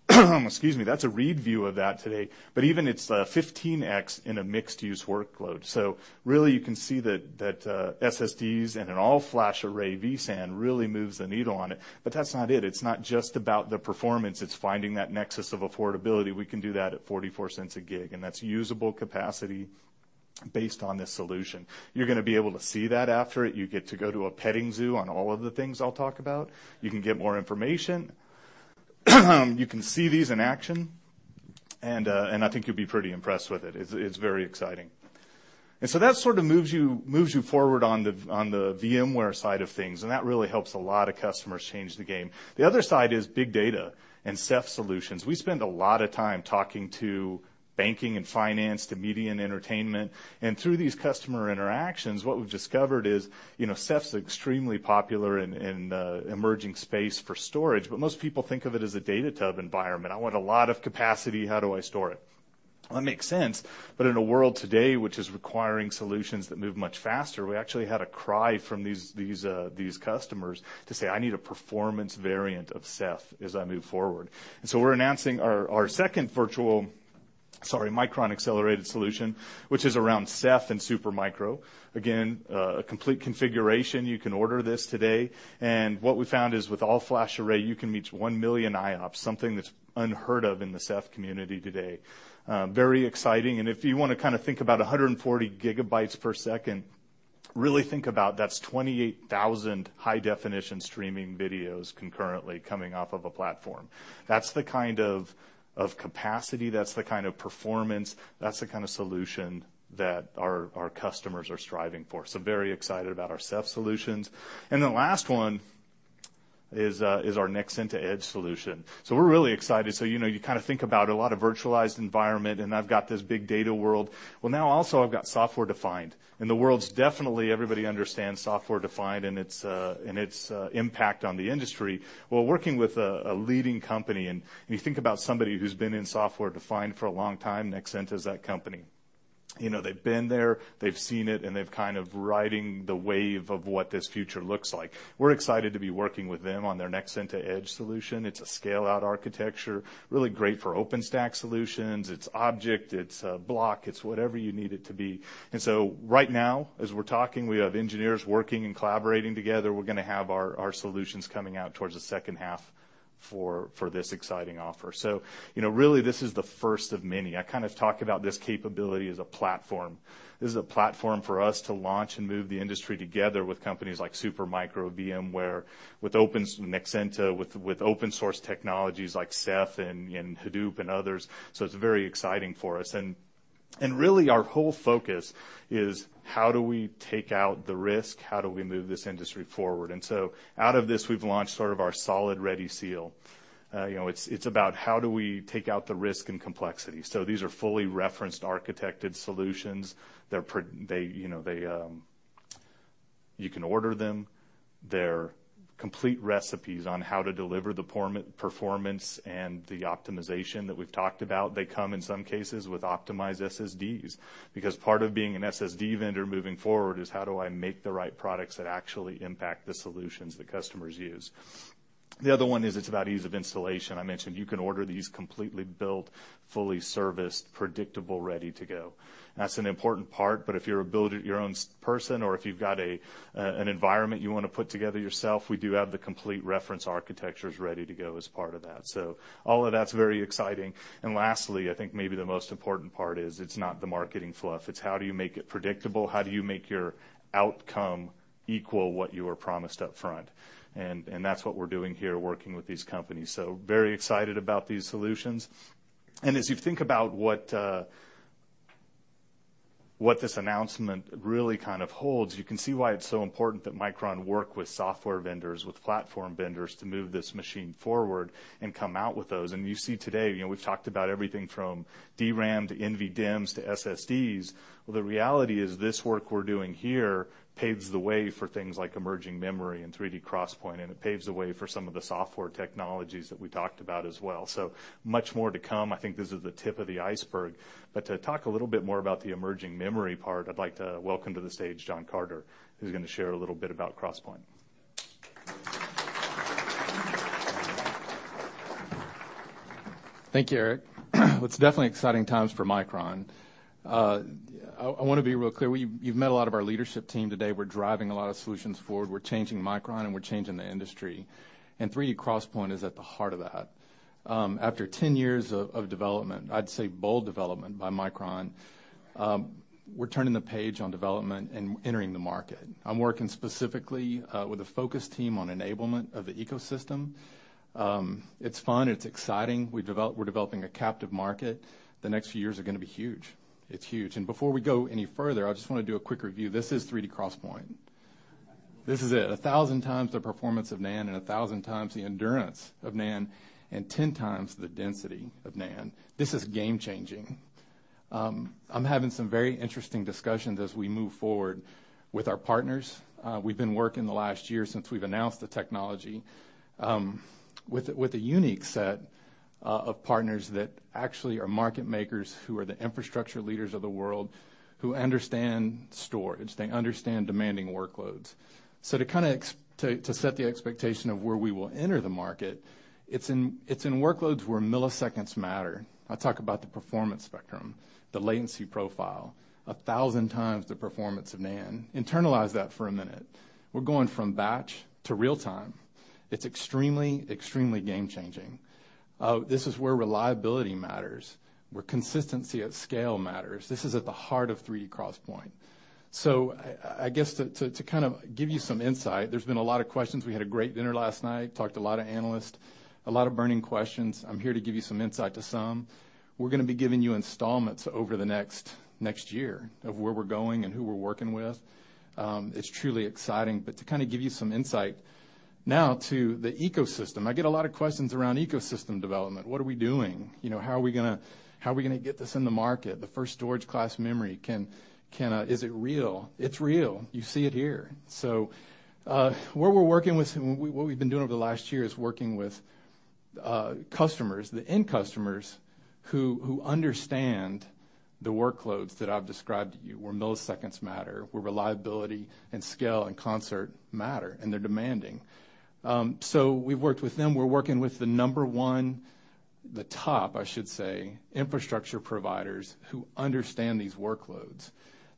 excuse me, that's a read view of that today. Even it's 15x in a mixed-use workload. Really, you can see that SSDs and an all-flash array vSAN really moves the needle on it. That's not it. It's not just about the performance, it's finding that nexus of affordability. We can do that at $0.44 a gig, that's usable capacity based on this solution. You're going to be able to see that after. You get to go to a petting zoo on all of the things I'll talk about. You can get more information. You can see these in action. I think you'll be pretty impressed with it. It's very exciting. That sort of moves you forward on the VMware side of things, and that really helps a lot of customers change the game. The other side is big data and Ceph solutions. We spend a lot of time talking to banking and finance, to media and entertainment, through these customer interactions, what we've discovered is Ceph's extremely popular in the emerging space for storage, most people think of it as a data tub environment. I want a lot of capacity, how do I store it? Well, that makes sense, in a world today which is requiring solutions that move much faster, we actually had a cry from these customers to say, "I need a performance variant of Ceph as I move forward." We're announcing our second Micron Accelerated Solution, which is around Ceph and Supermicro. Again, a complete configuration. You can order this today. What we found is with all-flash array, you can reach 1 million IOPS, something that's unheard of in the Ceph community today. Very exciting, if you want to think about 140 gigabytes per second, really think about that's 28,000 high-definition streaming videos concurrently coming off of a platform. That's the kind of capacity, that's the kind of performance, that's the kind of solution that our customers are striving for. Very excited about our Ceph solutions. The last one is our NexentaEdge solution. We're really excited. You think about a lot of virtualized environment, I've got this big data world. Well, now also I've got software defined, the world's definitely everybody understands software defined and its impact on the industry. Well, working with a leading company, you think about somebody who's been in software defined for a long time, Nexenta is that company. They've been there, they've seen it, they're kind of riding the wave of what this future looks like. We're excited to be working with them on their NexentaEdge solution. It's a scale-out architecture, really great for OpenStack solutions. It's object, it's block, it's whatever you need it to be. Right now, as we're talking, we have engineers working and collaborating together. We're going to have our solutions coming out towards the second half for this exciting offer. Really, this is the first of many. I talk about this capability as a platform. This is a platform for us to launch and move the industry together with companies like Supermicro, VMware, with Nexenta, with open source technologies like Ceph and Hadoop and others. It's very exciting for us. Our whole focus is how do we take out the risk? How do we move this industry forward? Out of this, we've launched sort of our SOLID Ready seal. It's about how do we take out the risk and complexity. These are fully referenced, architected solutions. You can order them. They're complete recipes on how to deliver the performance and the optimization that we've talked about. They come, in some cases, with optimized SSDs, because part of being an SSD vendor moving forward is how do I make the right products that actually impact the solutions the customers use? The other one is it's about ease of installation. I mentioned you can order these completely built, fully serviced, predictable, ready to go. That's an important part, but if you're a build-it-your-own person or if you've got an environment you want to put together yourself, we do have the complete reference architectures ready to go as part of that. All of that's very exciting. Lastly, I think maybe the most important part is it's not the marketing fluff. It's how do you make it predictable? How do you make your outcome equal what you were promised up front? That's what we're doing here working with these companies. Very excited about these solutions. As you think about what this announcement really holds, you can see why it's so important that Micron work with software vendors, with platform vendors to move this machine forward and come out with those. You see today, we've talked about everything from DRAM to NVDIMMs to SSDs. The reality is this work we're doing here paves the way for things like emerging memory and 3D XPoint, and it paves the way for some of the software technologies that we talked about as well. Much more to come. I think this is the tip of the iceberg. But to talk a little bit more about the emerging memory part, I'd like to welcome to the stage Jon Carter, who's going to share a little bit about XPoint. Thank you, Darren. It's definitely exciting times for Micron. I want to be real clear. You've met a lot of our leadership team today. We're driving a lot of solutions forward. We're changing Micron, and we're changing the industry. 3D XPoint is at the heart of that. After 10 years of development, I'd say bold development by Micron, we're turning the page on development and entering the market. I'm working specifically with a focus team on enablement of the ecosystem. It's fun. It's exciting. We're developing a captive market. The next few years are going to be huge. It's huge. Before we go any further, I just want to do a quick review. This is 3D XPoint. This is it. 1,000 times the performance of NAND, 1,000 times the endurance of NAND, and 10 times the density of NAND. This is game-changing. I'm having some very interesting discussions as we move forward with our partners. We've been working the last year since we've announced the technology with a unique set of partners that actually are market makers, who are the infrastructure leaders of the world, who understand storage. They understand demanding workloads. To set the expectation of where we will enter the market, it's in workloads where milliseconds matter. I talk about the performance spectrum, the latency profile, 1,000 times the performance of NAND. Internalize that for a minute. We're going from batch to real-time. It's extremely game-changing. This is where reliability matters, where consistency at scale matters. This is at the heart of 3D XPoint. I guess to give you some insight, there's been a lot of questions. We had a great dinner last night, talked to a lot of analysts, a lot of burning questions. I'm here to give you some insight to some. We're going to be giving you installments over the next year of where we're going and who we're working with. It's truly exciting. To give you some insight now to the ecosystem. I get a lot of questions around ecosystem development. What are we doing? How are we going to get this in the market? The first storage class memory, is it real? It's real. You see it here. What we've been doing over the last year is working with customers, the end customers, who understand the workloads that I've described to you, where milliseconds matter, where reliability and scale and concert matter, and they're demanding. We've worked with them. We're working with the number one, the top, I should say, infrastructure providers who understand these workloads.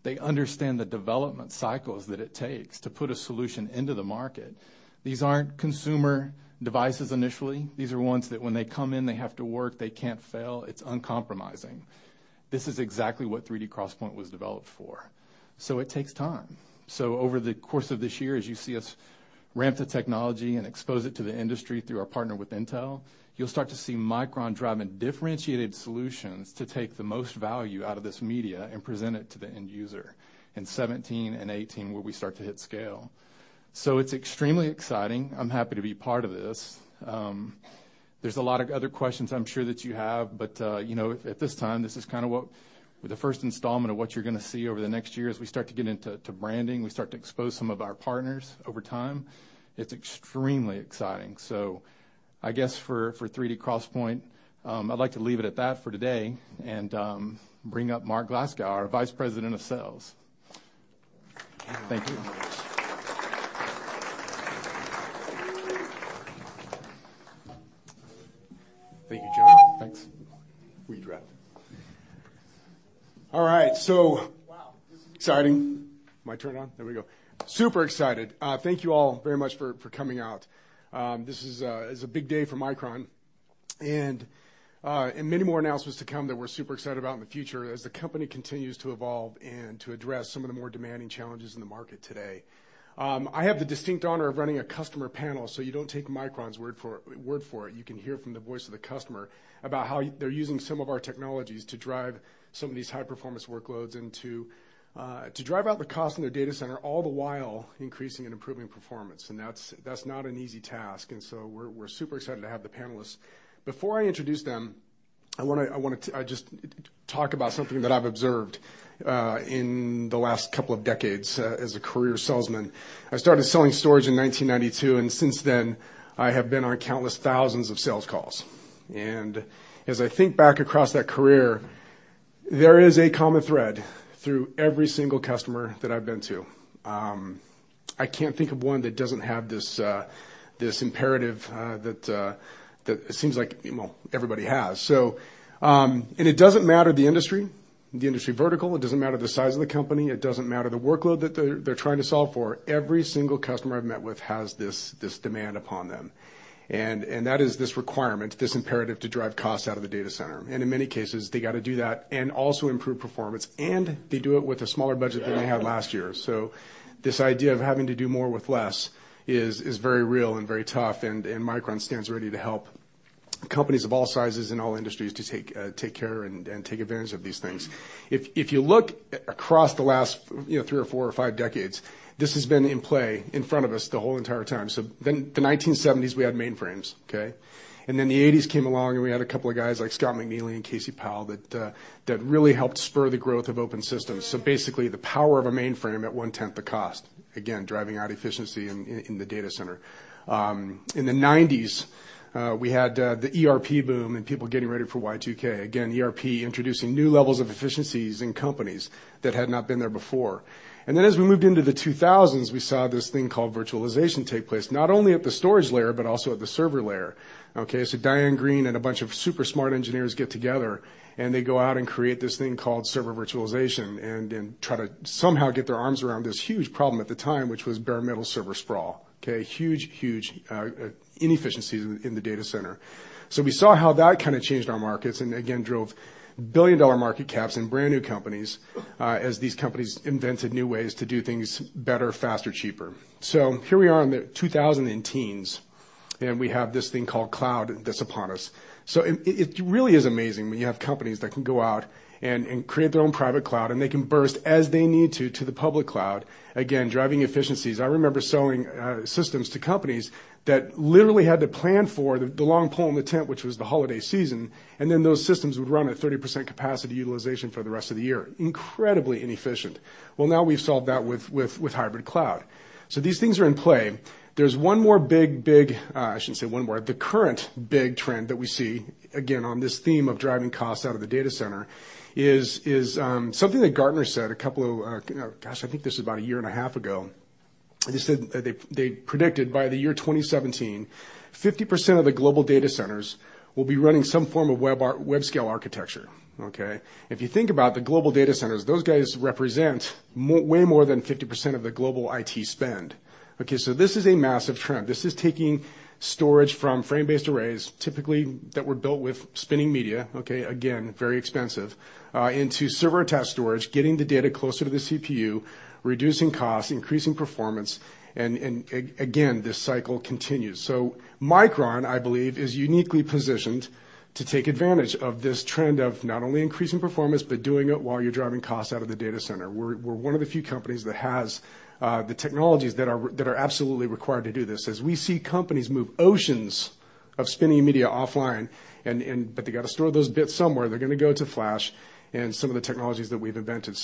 They understand the development cycles that it takes to put a solution into the market. These aren't consumer devices initially. These are ones that when they come in, they have to work. They can't fail. It's uncompromising. This is exactly what 3D XPoint was developed for, so it takes time. Over the course of this year, as you see us ramp the technology and expose it to the industry through our partner with Intel, you'll start to see Micron driving differentiated solutions to take the most value out of this media and present it to the end user in 2017 and 2018, where we start to hit scale. It's extremely exciting. I'm happy to be part of this. There's a lot of other questions I'm sure that you have, but at this time, this is what the first installment of what you're going to see over the next year as we start to get into branding, we start to expose some of our partners over time. It's extremely exciting. I guess for 3D XPoint, I'd like to leave it at that for today and bring up Mark Glasgow, our Vice President of Sales. Thank you. Thank you, Jon. Thanks. Endebrock. All right. Wow exciting. My turn on? There we go. Super excited. Thank you all very much for coming out. This is a big day for Micron, many more announcements to come that we're super excited about in the future as the company continues to evolve and to address some of the more demanding challenges in the market today. I have the distinct honor of running a customer panel, so you don't take Micron's word for it. You can hear from the voice of the customer about how they're using some of our technologies to drive some of these high-performance workloads and to drive out the cost in their data center, all the while increasing and improving performance. That's not an easy task, we're super excited to have the panelists. Before I introduce them, I just talk about something that I've observed in the last couple of decades as a career salesman. I started selling storage in 1992, since then, I have been on countless thousands of sales calls. As I think back across that career, there is a common thread through every single customer that I've been to. I can't think of one that doesn't have this imperative that it seems like everybody has. It doesn't matter the industry, the industry vertical, it doesn't matter the size of the company, it doesn't matter the workload that they're trying to solve for. Every single customer I've met with has this demand upon them, that is this requirement, this imperative to drive costs out of the data center. In many cases, they got to do that and also improve performance, and they do it with a smaller budget than they had last year. This idea of having to do more with less is very real and very tough, and Micron stands ready to help companies of all sizes and all industries to take care and take advantage of these things. If you look across the last three or four or five decades, this has been in play in front of us the whole entire time. The 1970s, we had mainframes. Okay. The '80s came along, and we had a couple of guys like Scott McNealy and Casey Powell that really helped spur the growth of open systems. Basically, the power of a mainframe at one-tenth the cost, again, driving out efficiency in the data center. In the '90s, we had the ERP boom and people getting ready for Y2K. Again, ERP introducing new levels of efficiencies in companies that had not been there before. As we moved into the 2000s, we saw this thing called virtualization take place, not only at the storage layer but also at the server layer. Okay. Diane Greene and a bunch of super smart engineers get together, and they go out and create this thing called server virtualization and try to somehow get their arms around this huge problem at the time, which was bare metal server sprawl. Okay. Huge inefficiencies in the data center. We saw how that changed our markets, and again, drove billion-dollar market caps and brand-new companies as these companies invented new ways to do things better, faster, cheaper. Here we are in the 2010s, and we have this thing called cloud that's upon us. It really is amazing when you have companies that can go out and create their own private cloud, and they can burst as they need to the public cloud, again, driving efficiencies. I remember selling systems to companies that literally had to plan for the long pole in the tent, which was the holiday season, and then those systems would run at 30% capacity utilization for the rest of the year. Incredibly inefficient. Now we've solved that with hybrid cloud. These things are in play. There's one more big, I shouldn't say one more, the current big trend that we see, again, on this theme of driving costs out of the data center, is something that Gartner said a couple of Gosh, I think this is about a year and a half ago. They predicted by the year 2017, 50% of the global data centers will be running some form of web scale architecture. Okay. If you think about the global data centers, those guys represent way more than 50% of the global IT spend. This is a massive trend. This is taking storage from frame-based arrays, typically that were built with spinning media, okay, again, very expensive, into server-attached storage, getting the data closer to the CPU, reducing costs, increasing performance, and again, this cycle continues. Micron, I believe, is uniquely positioned to take advantage of this trend of not only increasing performance, but doing it while you're driving costs out of the data center. We're one of the few companies that has the technologies that are absolutely required to do this, as we see companies move oceans of spinning media offline, but they've got to store those bits somewhere. They're going to go to flash and some of the technologies that we've invented.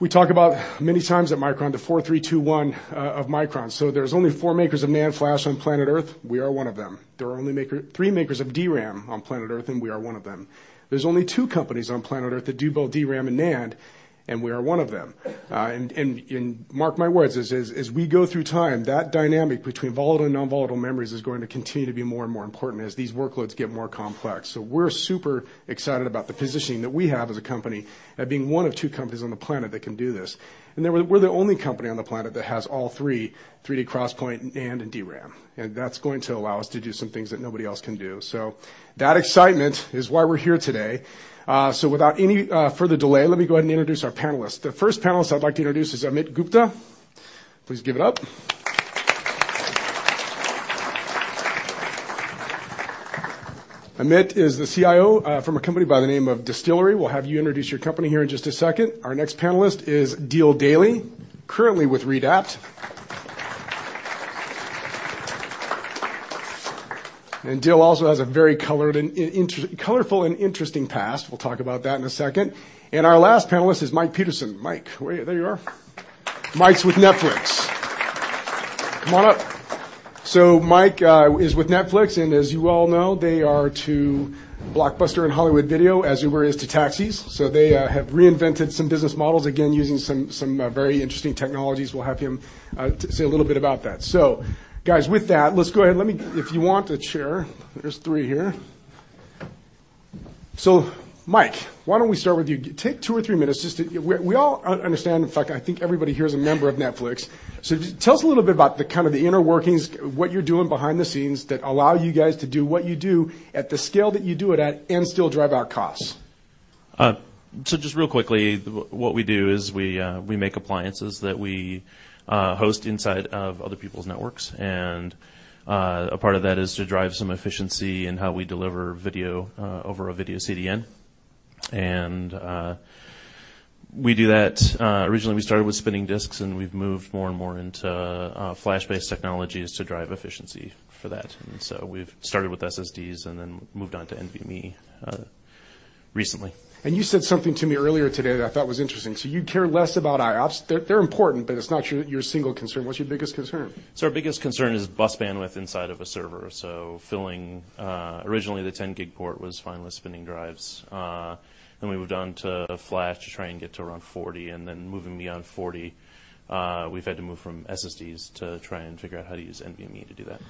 We talk about many times at Micron, the four, three, two, one of Micron. There's only four makers of NAND flash on planet Earth. We are one of them. There are only three makers of DRAM on planet Earth, and we are one of them. There's only two companies on planet Earth that do both DRAM and NAND, and we are one of them. Mark my words, as we go through time, that dynamic between volatile and non-volatile memories is going to continue to be more and more important as these workloads get more complex. We're super excited about the positioning that we have as a company at being one of two companies on the planet that can do this. We're the only company on the planet that has all three, 3D XPoint, NAND, and DRAM, and that's going to allow us to do some things that nobody else can do. That excitement is why we're here today. Without any further delay, let me go ahead and introduce our panelists. The first panelist I'd like to introduce is Amit Gupta. Please give it up. Amit is the CIO from a company by the name of Distillery. We'll have you introduce your company here in just a second. Our next panelist is Duleep Wikramanayake, currently with Redapt. Duleep also has a very colorful and interesting past. We'll talk about that in a second. Our last panelist is Michael Peterson. Mike, there you are. Mike's with Netflix. Come on up. Mike is with Netflix, and as you all know, they are to Blockbuster and Hollywood Video as Uber is to taxis. They have reinvented some business models, again, using some very interesting technologies. We'll have him say a little bit about that. Guys, with that, let's go ahead. If you want a chair, there's three here. Mike, why don't we start with you? Take two or three minutes. We all understand, in fact, I think everybody here is a member of Netflix. Tell us a little bit about the inner workings, what you're doing behind the scenes that allow you guys to do what you do at the scale that you do it at and still drive out costs. Just real quickly, what we do is we make appliances that we host inside of other people's networks, a part of that is to drive some efficiency in how we deliver video over a video CDN. We do that, originally, we started with spinning disks, we've moved more and more into flash-based technologies to drive efficiency for that. We've started with SSDs then moved on to NVMe recently. You said something to me earlier today that I thought was interesting. You care less about IOPS. They're important, but it's not your single concern. What's your biggest concern? Our biggest concern is bus bandwidth inside of a server. Filling, originally, the 10-gig port was fine with spinning drives. We moved on to flash to try and get to around 40, moving beyond 40, we've had to move from SSDs to try and figure out how to use NVMe to do that.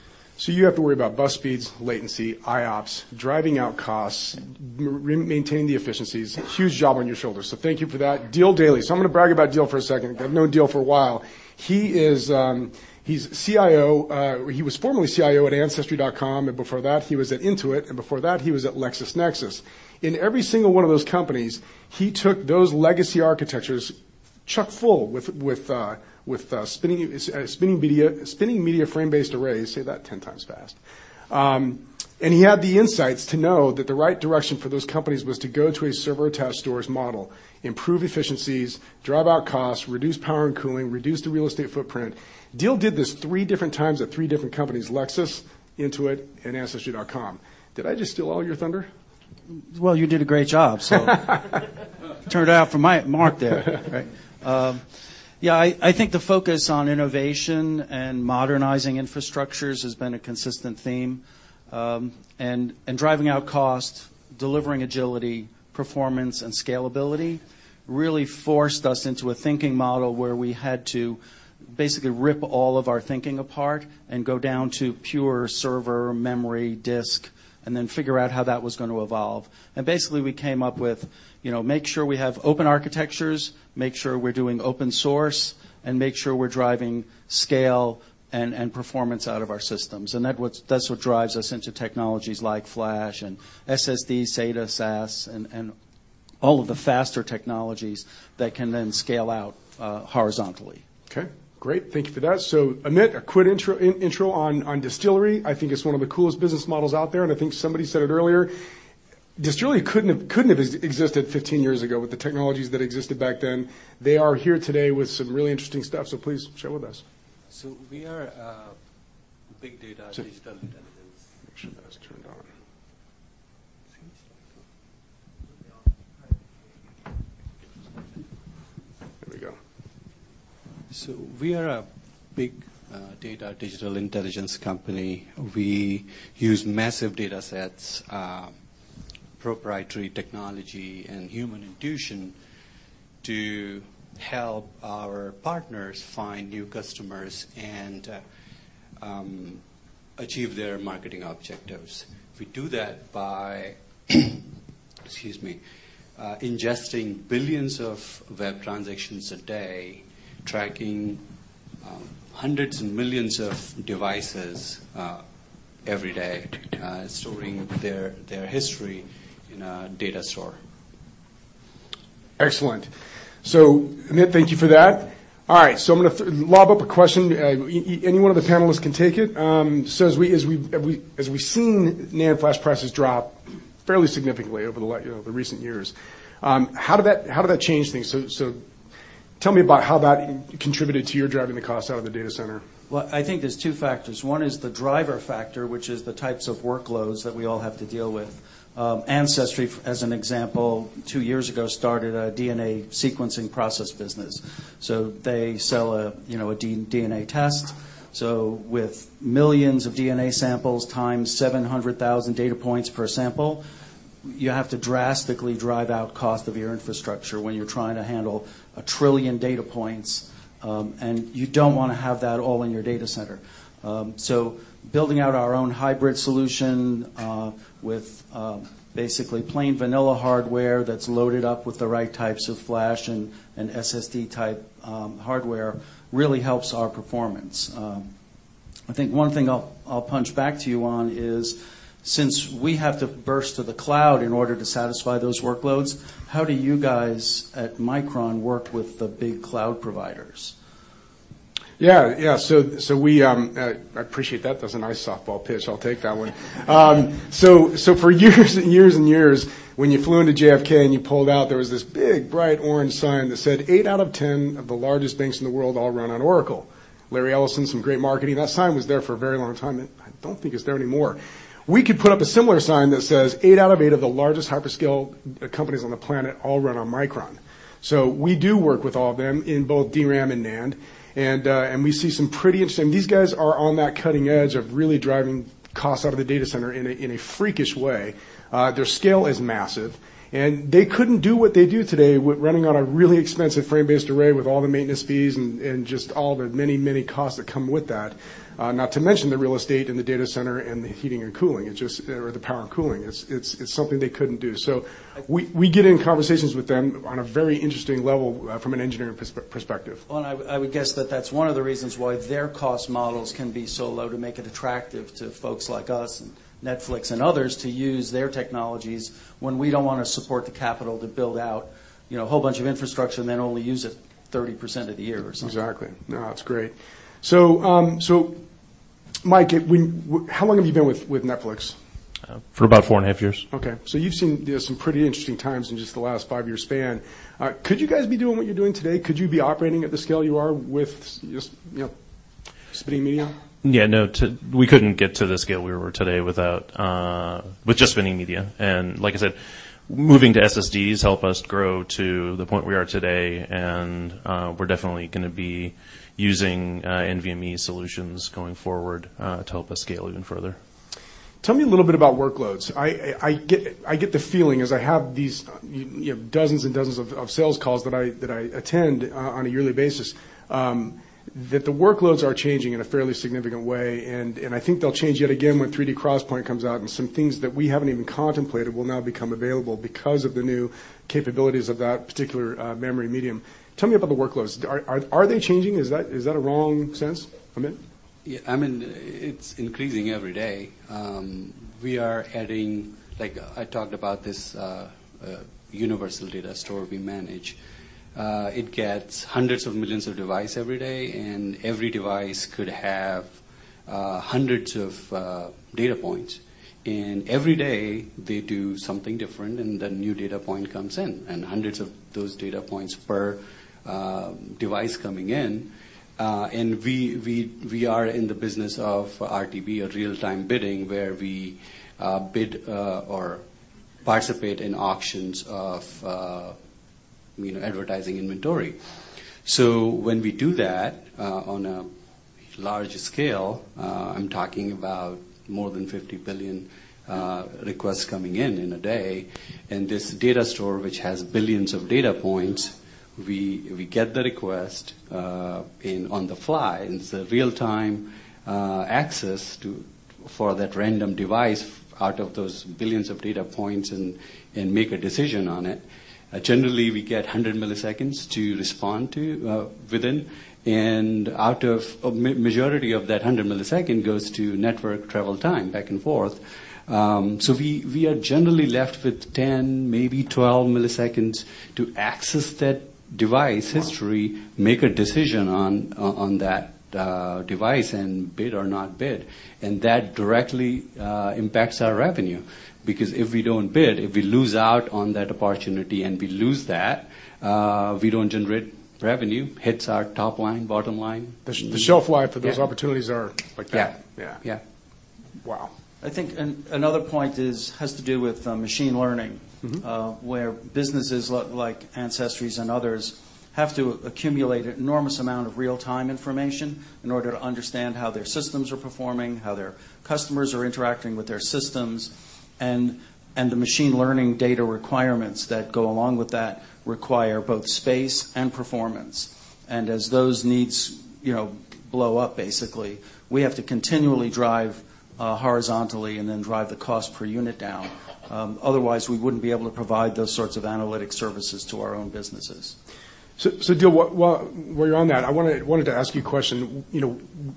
You have to worry about bus speeds, latency, IOPS, driving out costs, maintaining the efficiencies. Huge job on your shoulders, thank you for that. Duleep Wikramanayake. I'm going to brag about Dil for a second. I've known Dil for a while. He's CIO. He was formerly CIO at Ancestry.com, before that, he was at Intuit, before that, he was at LexisNexis. In every single one of those companies, he took those legacy architectures chock-full with spinning media frame-based arrays. Say that 10 times fast. He had the insights to know that the right direction for those companies was to go to a server-attached storage model, improve efficiencies, drive out costs, reduce power and cooling, reduce the real estate footprint. Dil did this three different times at three different companies, Lexis, Intuit, and Ancestry.com. Did I just steal all your thunder? Well, you did a great job. Turned out for my mark there, right? Yeah, I think the focus on innovation and modernizing infrastructures has been a consistent theme. Driving out cost, delivering agility, performance, and scalability really forced us into a thinking model where we had to basically rip all of our thinking apart and go down to pure server, memory, disk, and then figure out how that was going to evolve. Basically, we came up with make sure we have open architectures, make sure we're doing open source, and make sure we're driving scale and performance out of our systems. That's what drives us into technologies like flash and SSD, SATA, SAS, and all of the faster technologies that can then scale out horizontally. Okay, great. Thank you for that. Amit, a quick intro on Distillery. I think it's one of the coolest business models out there, and I think somebody said it earlier, Distillery couldn't have existed 15 years ago with the technologies that existed back then. They are here today with some really interesting stuff. Please share with us. We are a big data digital intelligence- Make sure that is turned on. Here we go. We are a big data digital intelligence company. We use massive data sets, proprietary technology, and human intuition to help our partners find new customers and achieve their marketing objectives. We do that by, excuse me, ingesting billions of web transactions a day, tracking hundreds and millions of devices every day, storing their history in a data store. Excellent. Amit, thank you for that. All right, I'm going to lob up a question. Any one of the panelists can take it. As we've seen NAND flash prices drop fairly significantly over the recent years, how did that change things? Tell me about how that contributed to your driving the cost out of the data center. Well, I think there's two factors. One is the driver factor, which is the types of workloads that we all have to deal with. Ancestry.com, as an example, two years ago, started a DNA sequencing process business. They sell a DNA test. With millions of DNA samples times 700,000 data points per sample, you have to drastically drive out cost of your infrastructure when you're trying to handle a trillion data points, and you don't want to have that all in your data center. Building out our own hybrid solution, with basically plain vanilla hardware that's loaded up with the right types of flash and SSD-type hardware, really helps our performance. I think one thing I'll punch back to you on is, since we have to burst to the cloud in order to satisfy those workloads, how do you guys at Micron work with the big cloud providers? Yeah. I appreciate that. That's a nice softball pitch. I will take that one. For years and years and years, when you flew into JFK, and you pulled out, there was this big, bright orange sign that said, "Eight out of 10 of the largest banks in the world all run on Oracle." Larry Ellison, some great marketing. That sign was there for a very long time, and I do not think it is there anymore. We could put up a similar sign that says, "Eight out of eight of the largest hyperscale companies on the planet all run on Micron." We do work with all of them in both DRAM and NAND. We see some pretty interesting. These guys are on that cutting edge of really driving costs out of the data center in a freakish way. Their scale is massive. They could not do what they do today with running on a really expensive frame-based array, with all the maintenance fees and just all the many cost that come with that. Not to mention the real estate in the data center and the heating and cooling or the power and cooling. It is something they could not do. We get in conversations with them on a very interesting level from an engineering perspective. Well, I would guess that that is one of the reasons why their cost models can be so low to make it attractive to folks like us and Netflix and others to use their technologies when we do not want to support the capital to build out a whole bunch of infrastructure and then only use it 30% of the year or something. Exactly. No, that is great. Mike, how long have you been with Netflix? For about four and a half years. Okay. You've seen some pretty interesting times in just the last five-year span. Could you guys be doing what you're doing today? Could you be operating at the scale you are with just spinning media? Yeah, no, we couldn't get to the scale we were today with just spinning media. Like I said, moving to SSDs help us grow to the point we are today, and we're definitely going to be using NVMe solutions going forward to help us scale even further. Tell me a little bit about workloads. I get the feeling as I have these dozens and dozens of sales calls that I attend on a yearly basis, that the workloads are changing in a fairly significant way, and I think they'll change yet again when 3D XPoint comes out, and some things that we haven't even contemplated will now become available because of the new capabilities of that particular memory medium. Tell me about the workloads. Are they changing? Is that a wrong sense, Amit? Yeah, I mean, it's increasing every day. We are adding, like I talked about this universal data store we manage. It gets hundreds of millions of devices every day, and every device could have hundreds of data points. Every day they do something different, the new data point comes in, hundreds of those data points per device coming in. We are in the business of RTB or real-time bidding, where we bid or participate in auctions of advertising inventory. When we do that, on a large scale, I'm talking about more than 50 billion requests coming in a day, this data store, which has billions of data points, we get the request on the fly, it's a real-time access for that random device out of those billions of data points and make a decision on it. Generally, we get 100 milliseconds to respond to within. Majority of that 100 milliseconds goes to network travel time back and forth. We are generally left with 10, maybe 12 milliseconds to access that device history, make a decision on that device and bid or not bid. That directly impacts our revenue because if we don't bid, if we lose out on that opportunity, and we lose that, we don't generate revenue. Hits our top line, bottom line. The shelf life- Yeah for those opportunities are like that. Yeah. Yeah. Yeah. Wow. I think another point has to do with machine learning. where businesses like Ancestry's and others have to accumulate an enormous amount of real-time information in order to understand how their systems are performing, how their customers are interacting with their systems, and the machine learning data requirements that go along with that require both space and performance. As those needs blow up, basically, we have to continually drive horizontally and then drive the cost per unit down. Otherwise, we wouldn't be able to provide those sorts of analytic services to our own businesses. Dil, while you're on that, I wanted to ask you a question.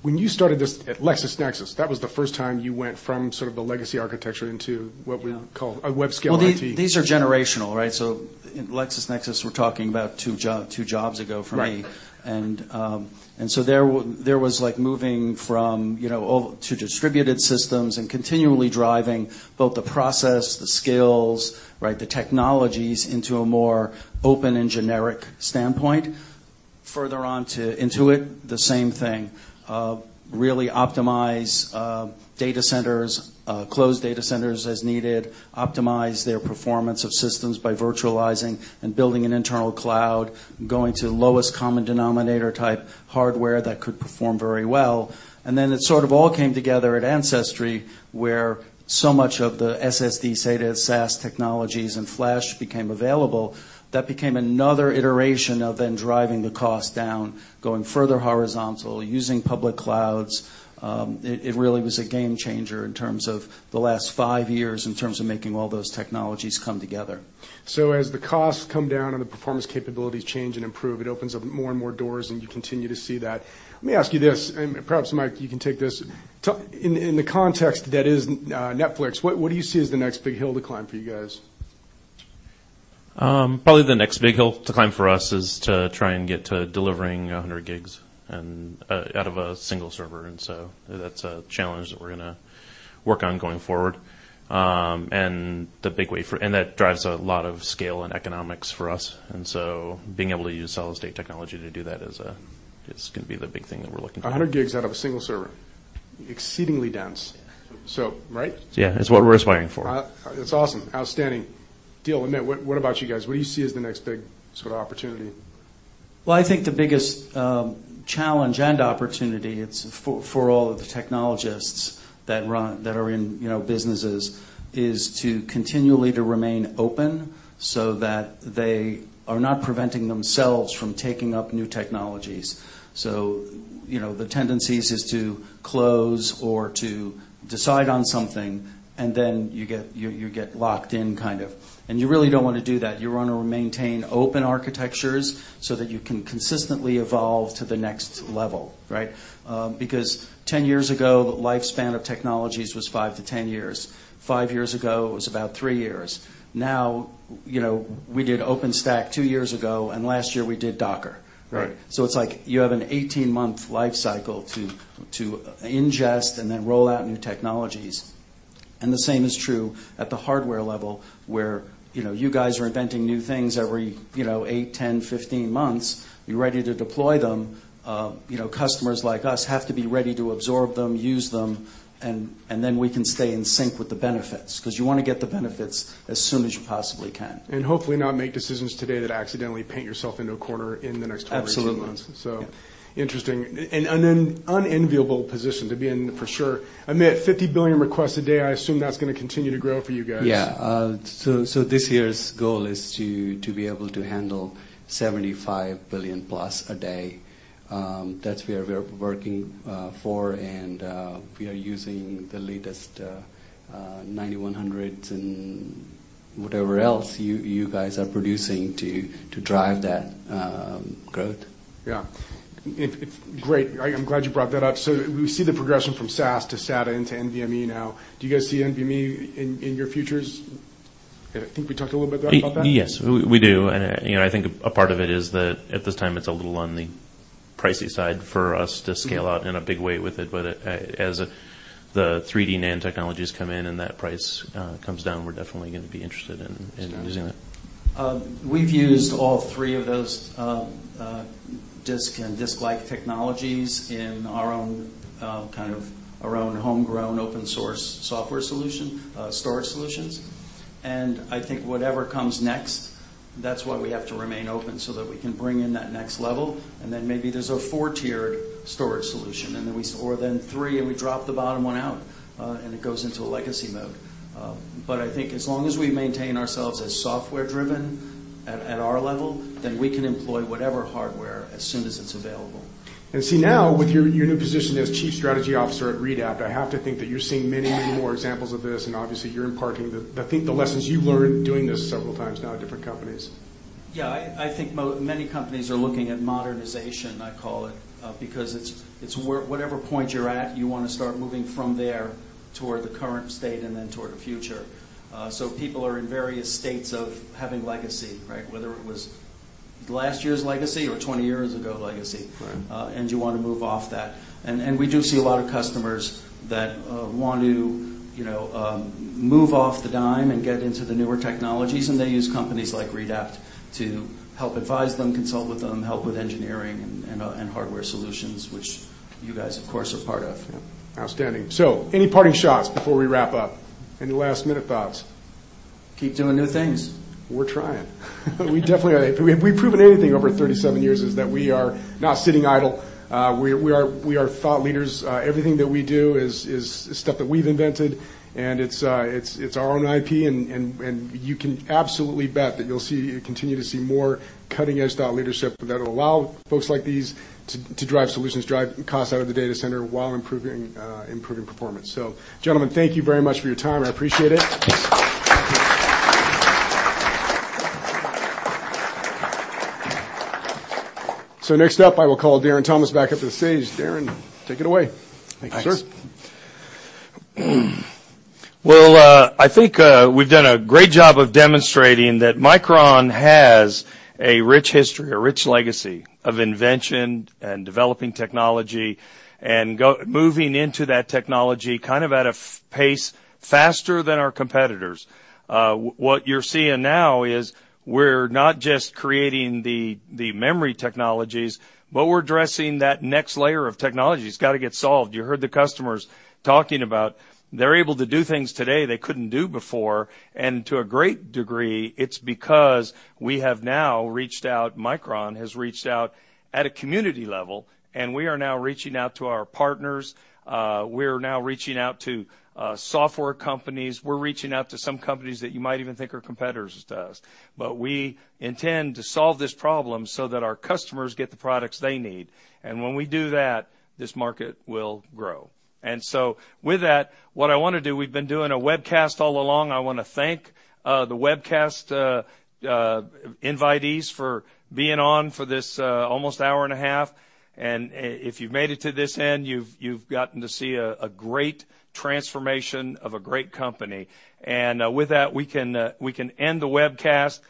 When you started this at LexisNexis, that was the first time you went from a legacy architecture. Yeah call a web-scale IT. These are generational, right? In LexisNexis, we're talking about two jobs ago for me. Right. There was moving from to distributed systems and continually driving both the process, the skills, the technologies into a more open and generic standpoint. Further on to Intuit, the same thing. Really optimize data centers, close data centers as needed, optimize their performance of systems by virtualizing and building an internal cloud, going to the lowest common denominator-type hardware that could perform very well. Then it sort of all came together at Ancestry, where so much of the SSD, SATA, SAS technologies and flash became available. That became another iteration of then driving the cost down, going further horizontal, using public clouds. It really was a game changer in terms of the last five years in terms of making all those technologies come together. As the costs come down and the performance capabilities change and improve, it opens up more and more doors, and you continue to see that. Let me ask you this, and perhaps, Mike, you can take this. In the context that is Netflix, what do you see as the next big hill to climb for you guys? Probably the next big hill to climb for us is to try and get to delivering 100 gigs out of a single server. That's a challenge that we're going to work on going forward. That drives a lot of scale and economics for us, and so being able to use solid-state technology to do that is going to be the big thing that we're looking for. 100 gigs out of a single server. Exceedingly dense. Yeah. Right? Yeah. It's what we're aspiring for. That's awesome. Outstanding. Dil and Amit, what about you guys? What do you see as the next big opportunity? I think the biggest challenge and opportunity for all of the technologists that are in businesses is to continually to remain open so that they are not preventing themselves from taking up new technologies. The tendency is to close or to decide on something, and then you get locked in. You really don't want to do that. You want to maintain open architectures so that you can consistently evolve to the next level. 10 years ago, the lifespan of technologies was five to 10 years. Five years ago, it was about three years. Now, we did OpenStack two years ago, and last year, we did Docker. Right. It's like you have an 18-month life cycle to ingest and then roll out new technologies. The same is true at the hardware level, where you guys are inventing new things every eight, 10, 15 months. You're ready to deploy them. Customers like us have to be ready to absorb them, use them, and then we can stay in sync with the benefits. You want to get the benefits as soon as you possibly can. Hopefully not make decisions today that accidentally paint yourself into a corner in the next 10 or 12 months. Absolutely. Interesting. An unenviable position to be in for sure. Amit, 50 billion requests a day, I assume that's going to continue to grow for you guys. Yeah. This year's goal is to be able to handle 75 billion-plus a day. That's where we're working for, and we are using the latest 9100 and whatever else you guys are producing to drive that growth. Yeah. Great. I'm glad you brought that up. We see the progression from SAS to SATA into NVMe now. Do you guys see NVMe in your futures? I think we talked a little bit about that. Yes, we do. I think a part of it is that at this time, it's a little on the pricey side for us to scale out in a big way with it. As the 3D NAND technologies come in and that price comes down, we're definitely going to be interested in using it. We've used all three of those disk and disk-like technologies in our own homegrown open-source software solution, storage solutions. I think whatever comes next, that's why we have to remain open, so that we can bring in that next level. Maybe there's a four-tiered storage solution. Three, and we drop the bottom one out, and it goes into a legacy mode. I think as long as we maintain ourselves as software-driven at our level, then we can employ whatever hardware as soon as it's available. See now, with your new position as Chief Strategy Officer at Redapt, I have to think that you're seeing many, many more examples of this, and obviously you're imparting, I think, the lessons you've learned doing this several times now at different companies. Yeah. I think many companies are looking at modernization, I call it, because it's whatever point you're at, you want to start moving from there toward the current state and then toward the future. People are in various states of having legacy, right? Whether it was last year's legacy or 20 years ago legacy. Right. You want to move off that. We do see a lot of customers that want to move off the dime and get into the newer technologies, and they use companies like Redapt to help advise them, consult with them, help with engineering and hardware solutions, which you guys, of course, are part of. Yeah. Outstanding. Any parting shots before we wrap up? Any last-minute thoughts? Keep doing new things. We're trying. We definitely are. If we've proven anything over 37 years is that we are not sitting idle. We are thought leaders. Everything that we do is stuff that we've invented, and it's our own IP, and you can absolutely bet that you'll continue to see more cutting-edge thought leadership that'll allow folks like these to drive solutions, drive costs out of the data center while improving performance. Gentlemen, thank you very much for your time. I appreciate it. Next up, I will call Darren Thomas back up to the stage. Darren, take it away. Thank you, sir. Thanks. I think we've done a great job of demonstrating that Micron has a rich history, a rich legacy of invention and developing technology and moving into that technology kind of at a pace faster than our competitors. What you're seeing now is we're not just creating the memory technologies, but we're addressing that next layer of technology that's got to get solved. You heard the customers talking about they're able to do things today they couldn't do before. To a great degree, it's because we have now reached out, Micron has reached out at a community level, and we are now reaching out to our partners. We are now reaching out to software companies. We're reaching out to some companies that you might even think are competitors to us. We intend to solve this problem so that our customers get the products they need. When we do that, this market will grow. With that, what I want to do, we've been doing a webcast all along. I want to thank the webcast invitees for being on for this almost hour and a half. If you've made it to this end, you've gotten to see a great transformation of a great company. With that, we can end the webcast.